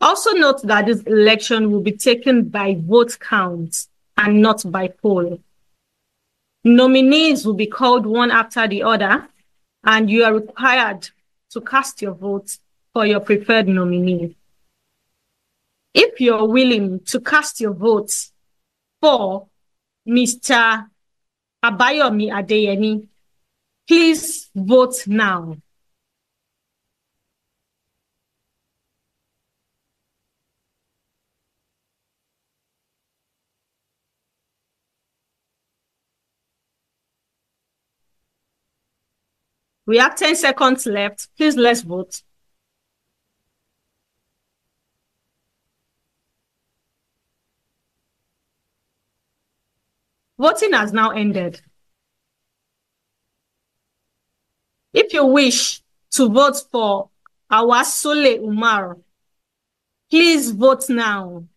Also note that this election will be taken by vote count and not by poll. Nominees will be called one after the other, and you are required to cast your vote for your preferred nominee. If you are willing to cast your vote for Mr. Abayomi Adeyemi, please vote now. We have 10 seconds left. Please, let's vote. Voting has now ended. If you wish to vote for Hauwa Sule Umar, please vote now.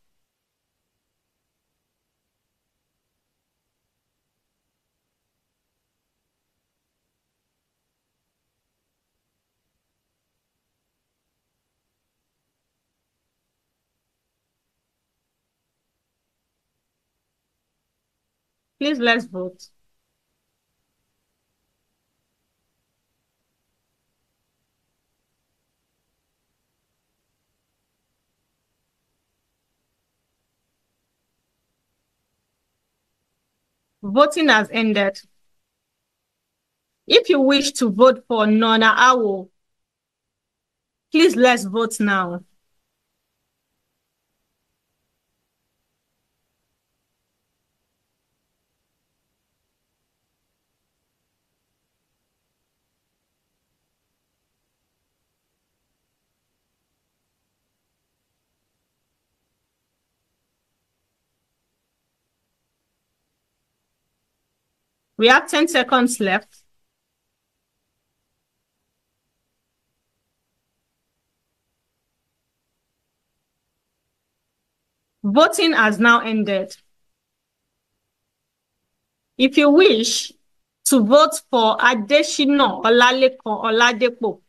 Please, let's vote. Voting has ended. If you wish to vote for Nornah Awoh, please let's vote now. We have 10 seconds left.... Voting has now ended. If you wish to vote for Adesina Olalekan Oladepo,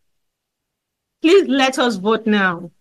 please let us vote now.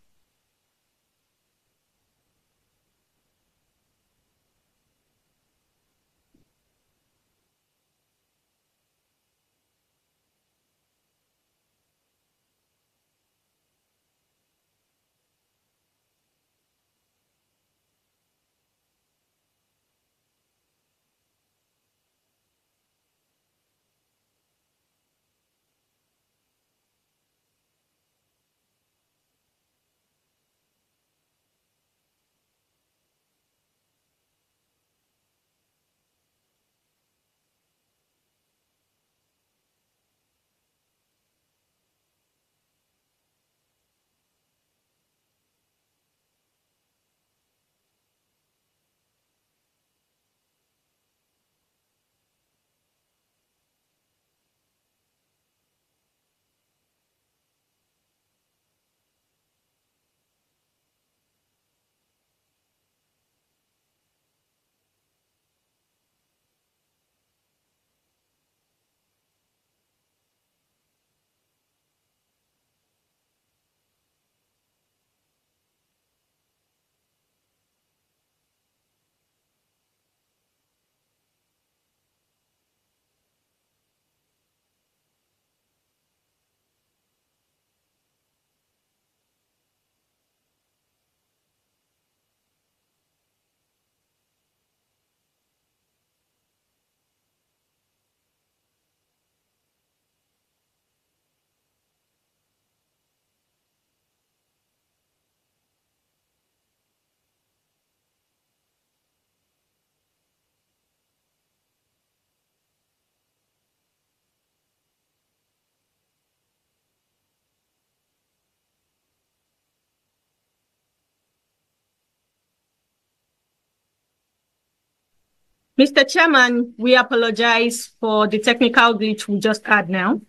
Mr. Chairman, we apologize for the technical glitch we just had now.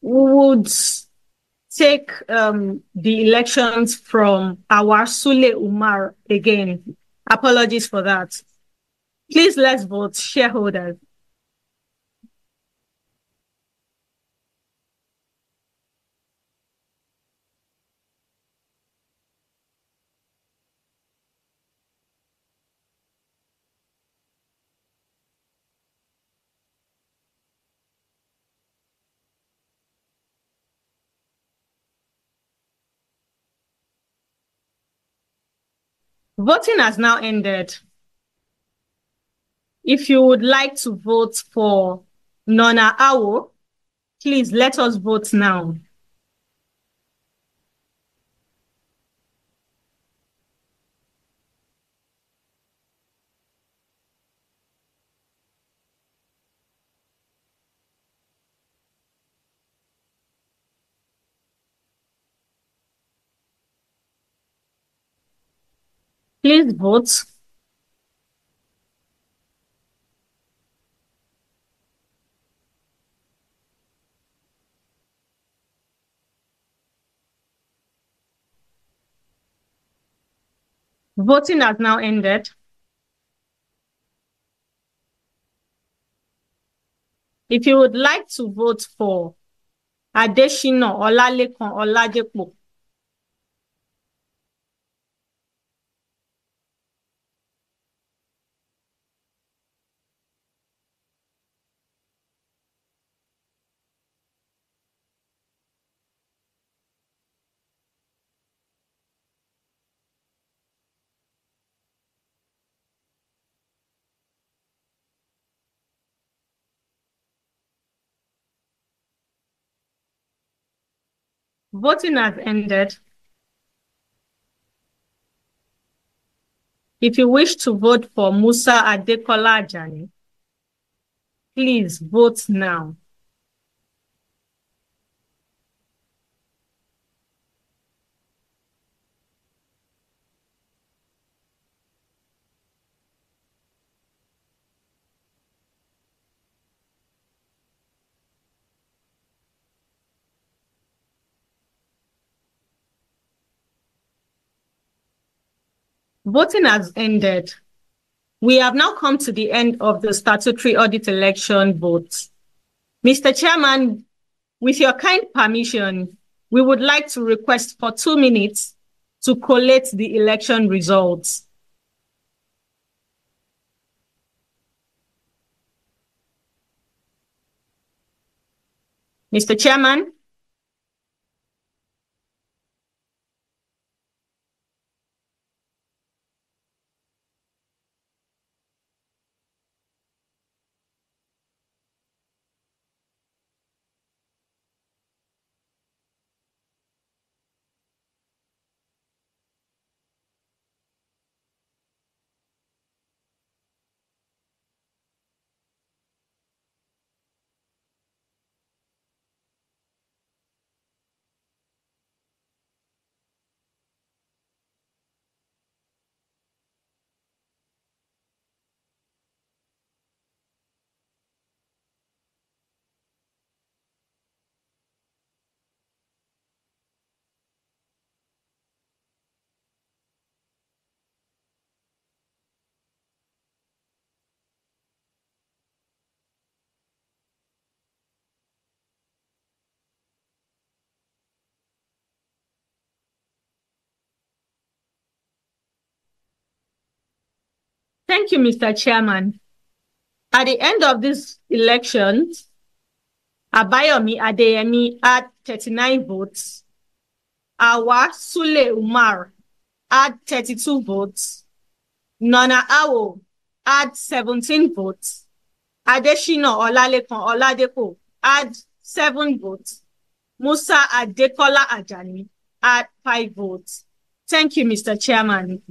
We would take the elections from our Hauwa Sule Umar again. Apologies for that. Please, let's vote, shareholders. Voting has now ended. If you would like to vote for Nornah Awoh, please let us vote now. Please vote. Voting has now ended. If you would like to vote for Adesina Olalekan Oladepo... Voting has ended. If you wish to vote for Musa Adekola Ajani, please vote now. Voting has ended. We have now come to the end of the statutory audit election vote. Mr. Chairman, with your kind permission, we would like to request for two minutes to collate the election results. Mr. Chairman? Thank you, Mr. Chairman. At the end of this elections, Abayomi Adeyemi had 39 votes. Hauwa Sule Umar had 32 votes. Nornah Awoh had 17 votes. Adesina Olalekan Oladepo had seven votes. Musa Adekola Ajani had 5 votes. Thank you, Mr. Chairman.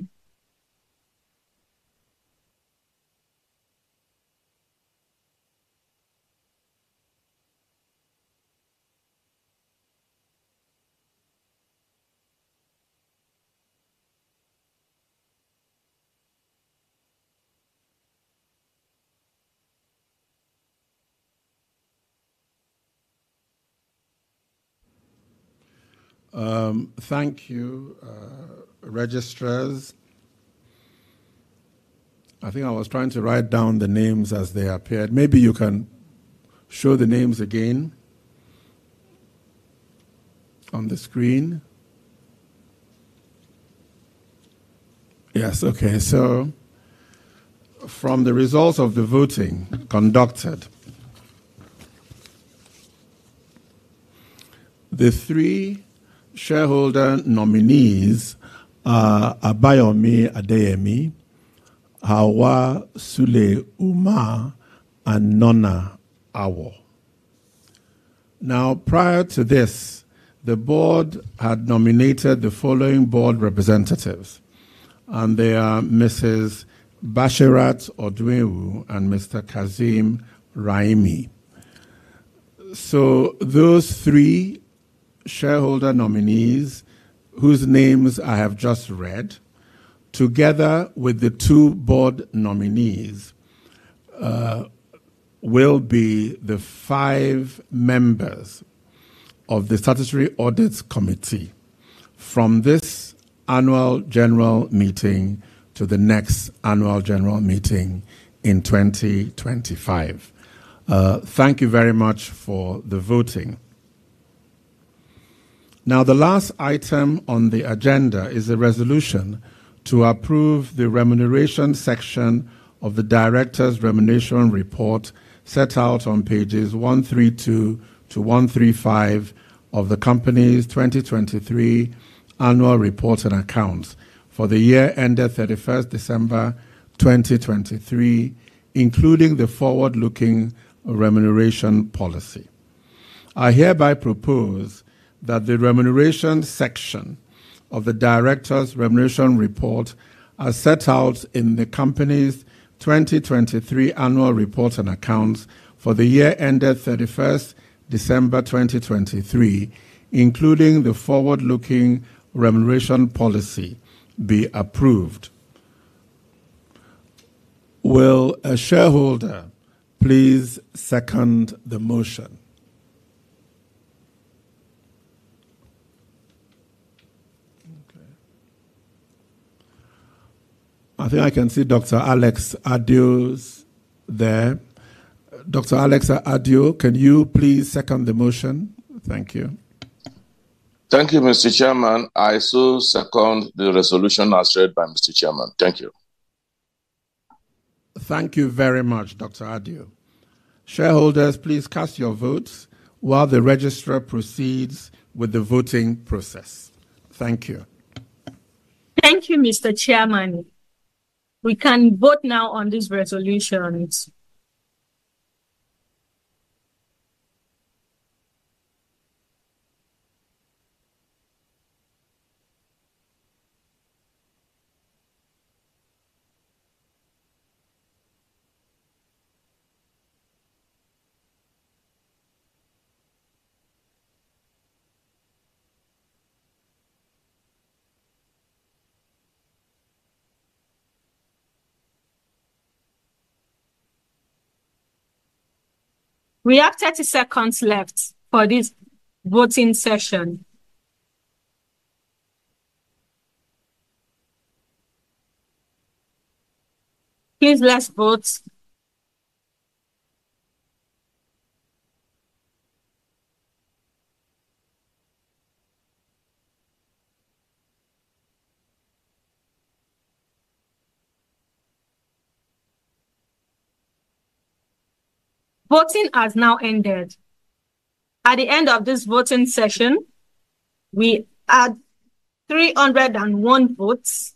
Thank you, registrars. I think I was trying to write down the names as they appeared. Maybe you can show the names again... on the screen. Yes, okay. So from the results of the voting conducted, the three shareholder nominees are Abayomi Adeyemi, Hauwa Sule Umar, and Nornah Awoh. Now, prior to this, the board had nominated the following board representatives, and they are Mrs. Bashirat Odunewu and Mr. Kazeem Raimi. So those three shareholder nominees, whose names I have just read, together with the two board nominees, will be the five members of the Statutory Audit Committee from this annual general meeting to the next annual general meeting in 2025. Thank you very much for the voting. Now, the last item on the agenda is a resolution to approve the remuneration section of the directors' remuneration report, set out on pages 132 to 135 of the company's 2023 annual report and accounts for the year ended 31st December 2023, including the forward-looking remuneration policy. I hereby propose that the remuneration section of the directors' remuneration report, as set out in the company's 2023 annual report and accounts for the year ended 31st December 2023, including the forward-looking remuneration policy, be approved. Will a shareholder please second the motion? Okay. I think I can see Dr. Alex Adio is there. Dr. Alex Adio, can you please second the motion? Thank you. Thank you, Mr. Chairman. I so second the resolution as read by Mr. Chairman. Thank you. Thank you very much, Dr. Adio. Shareholders, please cast your votes while the registrar proceeds with the voting process. Thank you. Thank you, Mr. Chairman. We can vote now on these resolutions. We have 30 seconds left for this voting session. Please, let's vote. Voting has now ended. At the end of this voting session, we had 301 votes,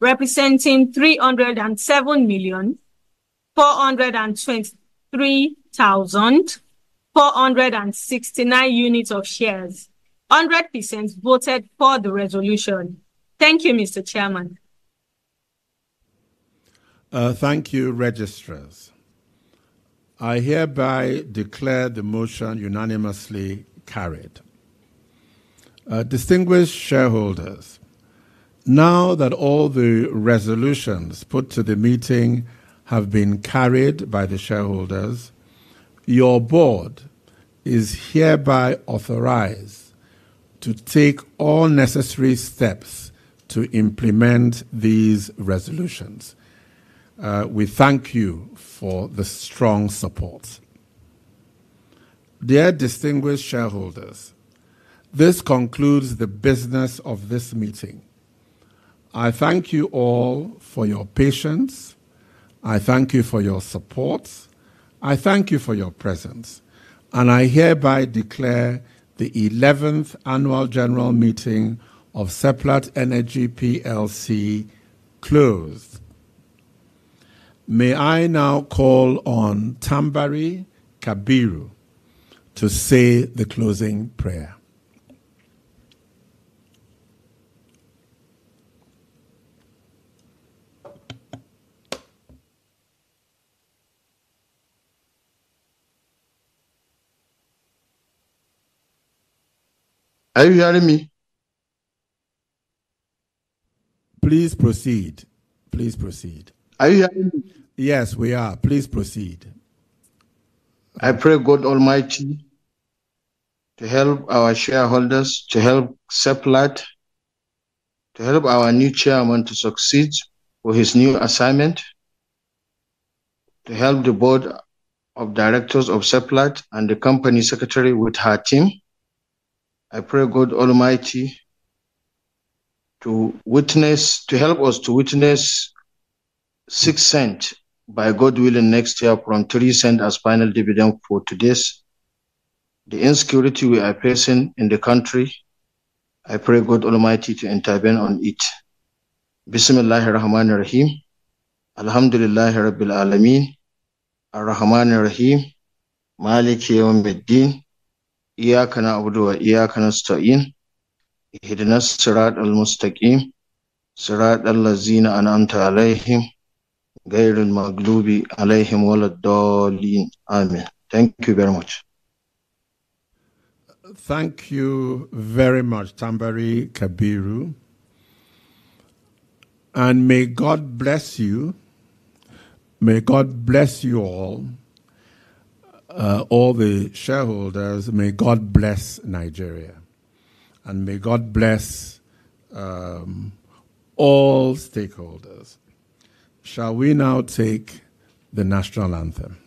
representing 307,423,469 units of shares. 100% voted for the resolution. Thank you, Mr. Chairman. Thank you, registrars. I hereby declare the motion unanimously carried. Distinguished shareholders, now that all the resolutions put to the meeting have been carried by the shareholders, your board is hereby authorized to take all necessary steps to implement these resolutions. We thank you for the strong support. Dear distinguished shareholders, this concludes the business of this meeting. I thank you all for your patience, I thank you for your support, I thank you for your presence, and I hereby declare the eleventh annual general meeting of Seplat Energy Plc closed. May I now call on Tambari Kabiru to say the closing prayer? Are you hearing me? Please proceed. Please proceed. Are you hearing me? Yes, we are. Please proceed. I pray God Almighty to help our shareholders, to help Seplat, to help our new chairman to succeed with his new assignment, to help the board of directors of Seplat and the company secretary with her team. I pray God Almighty to help us to witness $0.06, God willing, next year from $0.03 as final dividend for today's. The insecurity we are facing in the country, I pray God Almighty to intervene on it. Bismillahirrahmanirrahim. Alhamdulillahi rabbil 'alamin, ar-rahmanir-rahim, maliki yawmid-din. Iyyaka na'budu wa iyyaka nasta'in. Ihdinas siratal mustaqim, siratal-ladzina an'amta 'alaihim, ghairil-maghdoobi 'alaihim wa lad-dallin. Amen. Thank you very much. Thank you very much, Tambari Kabiru, and may God bless you. May God bless you all, all the shareholders. May God bless Nigeria, and may God bless all stakeholders. Shall we now take the national anthem?